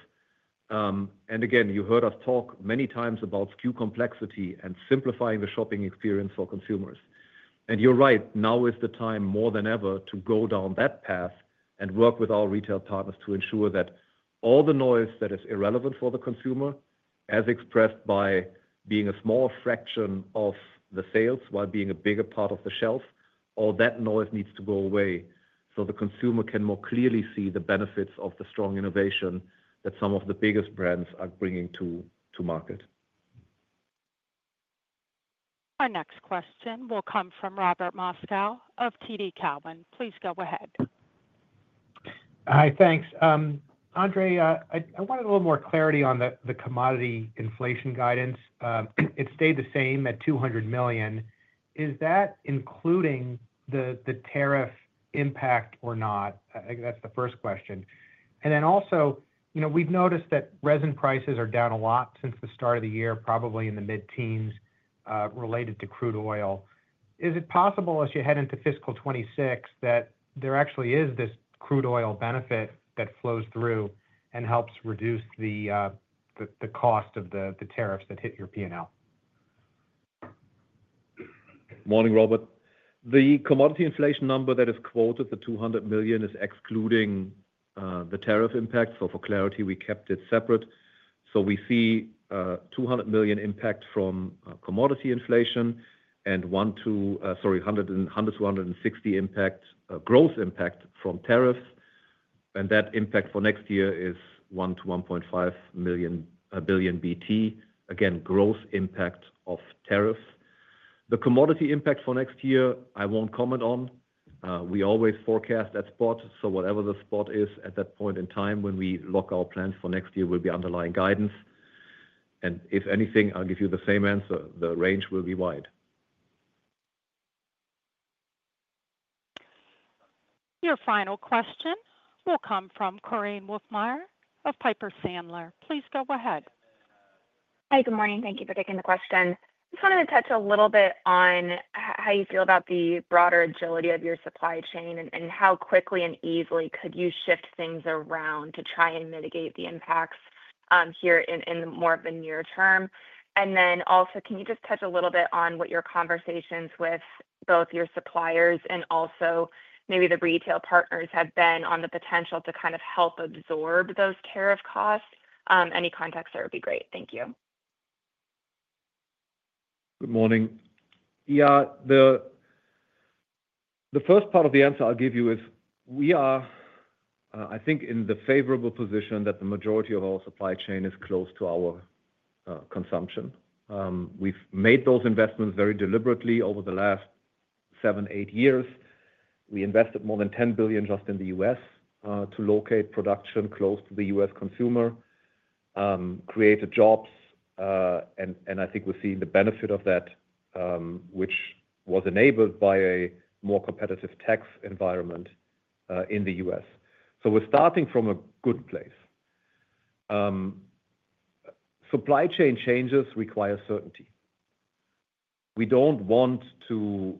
You heard us talk many times about SKU complexity and simplifying the shopping experience for consumers. You are right. Now is the time, more than ever, to go down that path and work with our retail partners to ensure that all the noise that is irrelevant for the consumer, as expressed by being a small fraction of the sales while being a bigger part of the shelf, all that noise needs to go away so the consumer can more clearly see the benefits of the strong innovation that some of the biggest brands are bringing to market. Our next question will come from Robert Moskow of TD Cowen. Please go ahead. Hi, thanks. Andre, I wanted a little more clarity on the commodity inflation guidance. It stayed the same at $200 million. Is that including the tariff impact or not? I think that's the first question. Also, we've noticed that resin prices are down a lot since the start of the year, probably in the mid-teens related to crude oil. Is it possible, as you head into fiscal 2026, that there actually is this crude oil benefit that flows through and helps reduce the cost of the tariffs that hit your P&L? Morning, Robert. The commodity inflation number that is quoted, the $200 million, is excluding the tariff impact. For clarity, we kept it separate. We see $200 million impact from commodity inflation and $100-$160 million growth impact from tariffs. That impact for next year is $1 billion-$1.5 billion. Again, growth impact of tariffs. The commodity impact for next year, I will not comment on. We always forecast at spot. Whatever the spot is at that point in time when we lock our plans for next year will be underlying guidance. If anything, I will give you the same answer. The range will be wide. Your final question will come from Korinne Wolfmeyer of Piper Sandler. Please go ahead. Hi, good morning. Thank you for taking the question. I just wanted to touch a little bit on how you feel about the broader agility of your supply chain and how quickly and easily could you shift things around to try and mitigate the impacts here in more of the near term. Also, can you just touch a little bit on what your conversations with both your suppliers and also maybe the retail partners have been on the potential to kind of help absorb those tariff costs? Any context there would be great. Thank you. Good morning. Yeah, the first part of the answer I'll give you is we are, I think, in the favorable position that the majority of our supply chain is close to our consumption. We've made those investments very deliberately over the last seven, eight years. We invested more than $10 billion just in the US to locate production close to the US consumer, created jobs. I think we're seeing the benefit of that, which was enabled by a more competitive tax environment in the US. We are starting from a good place. Supply chain changes require certainty. We don't want to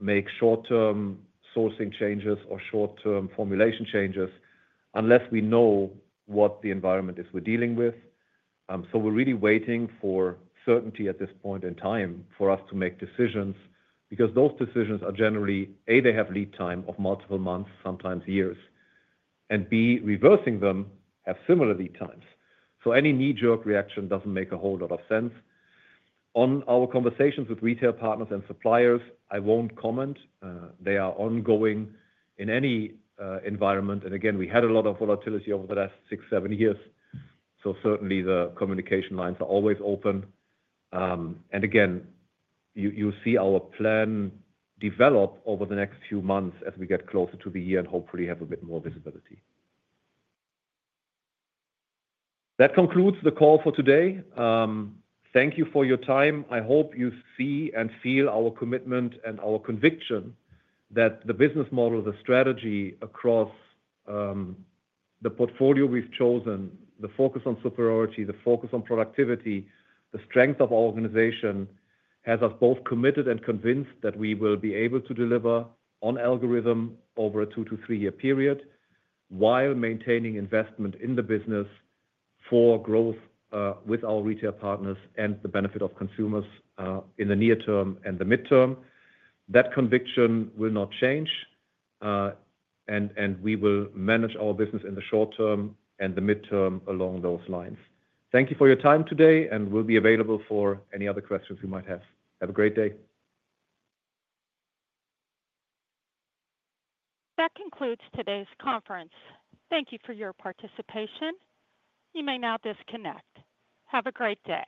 make short-term sourcing changes or short-term formulation changes unless we know what the environment is we're dealing with. We're really waiting for certainty at this point in time for us to make decisions because those decisions are generally, A, they have lead time of multiple months, sometimes years. B, reversing them have similar lead times. Any knee-jerk reaction does not make a whole lot of sense. On our conversations with retail partners and suppliers, I will not comment. They are ongoing in any environment. We had a lot of volatility over the last six, seven years. Certainly, the communication lines are always open. You will see our plan develop over the next few months as we get closer to the year and hopefully have a bit more visibility. That concludes the call for today. Thank you for your time. I hope you see and feel our commitment and our conviction that the business model, the strategy across the portfolio we have chosen, the focus on superiority, the focus on productivity, the strength of our organization has us both committed and convinced that we will be able to deliver on algorithm over a two- to three-year period while maintaining investment in the business for growth with our retail partners and the benefit of consumers in the near term and the midterm. That conviction will not change. We will manage our business in the short term and the midterm along those lines. Thank you for your time today. We will be available for any other questions you might have. Have a great day. That concludes today's conference. Thank you for your participation. You may now disconnect. Have a great day.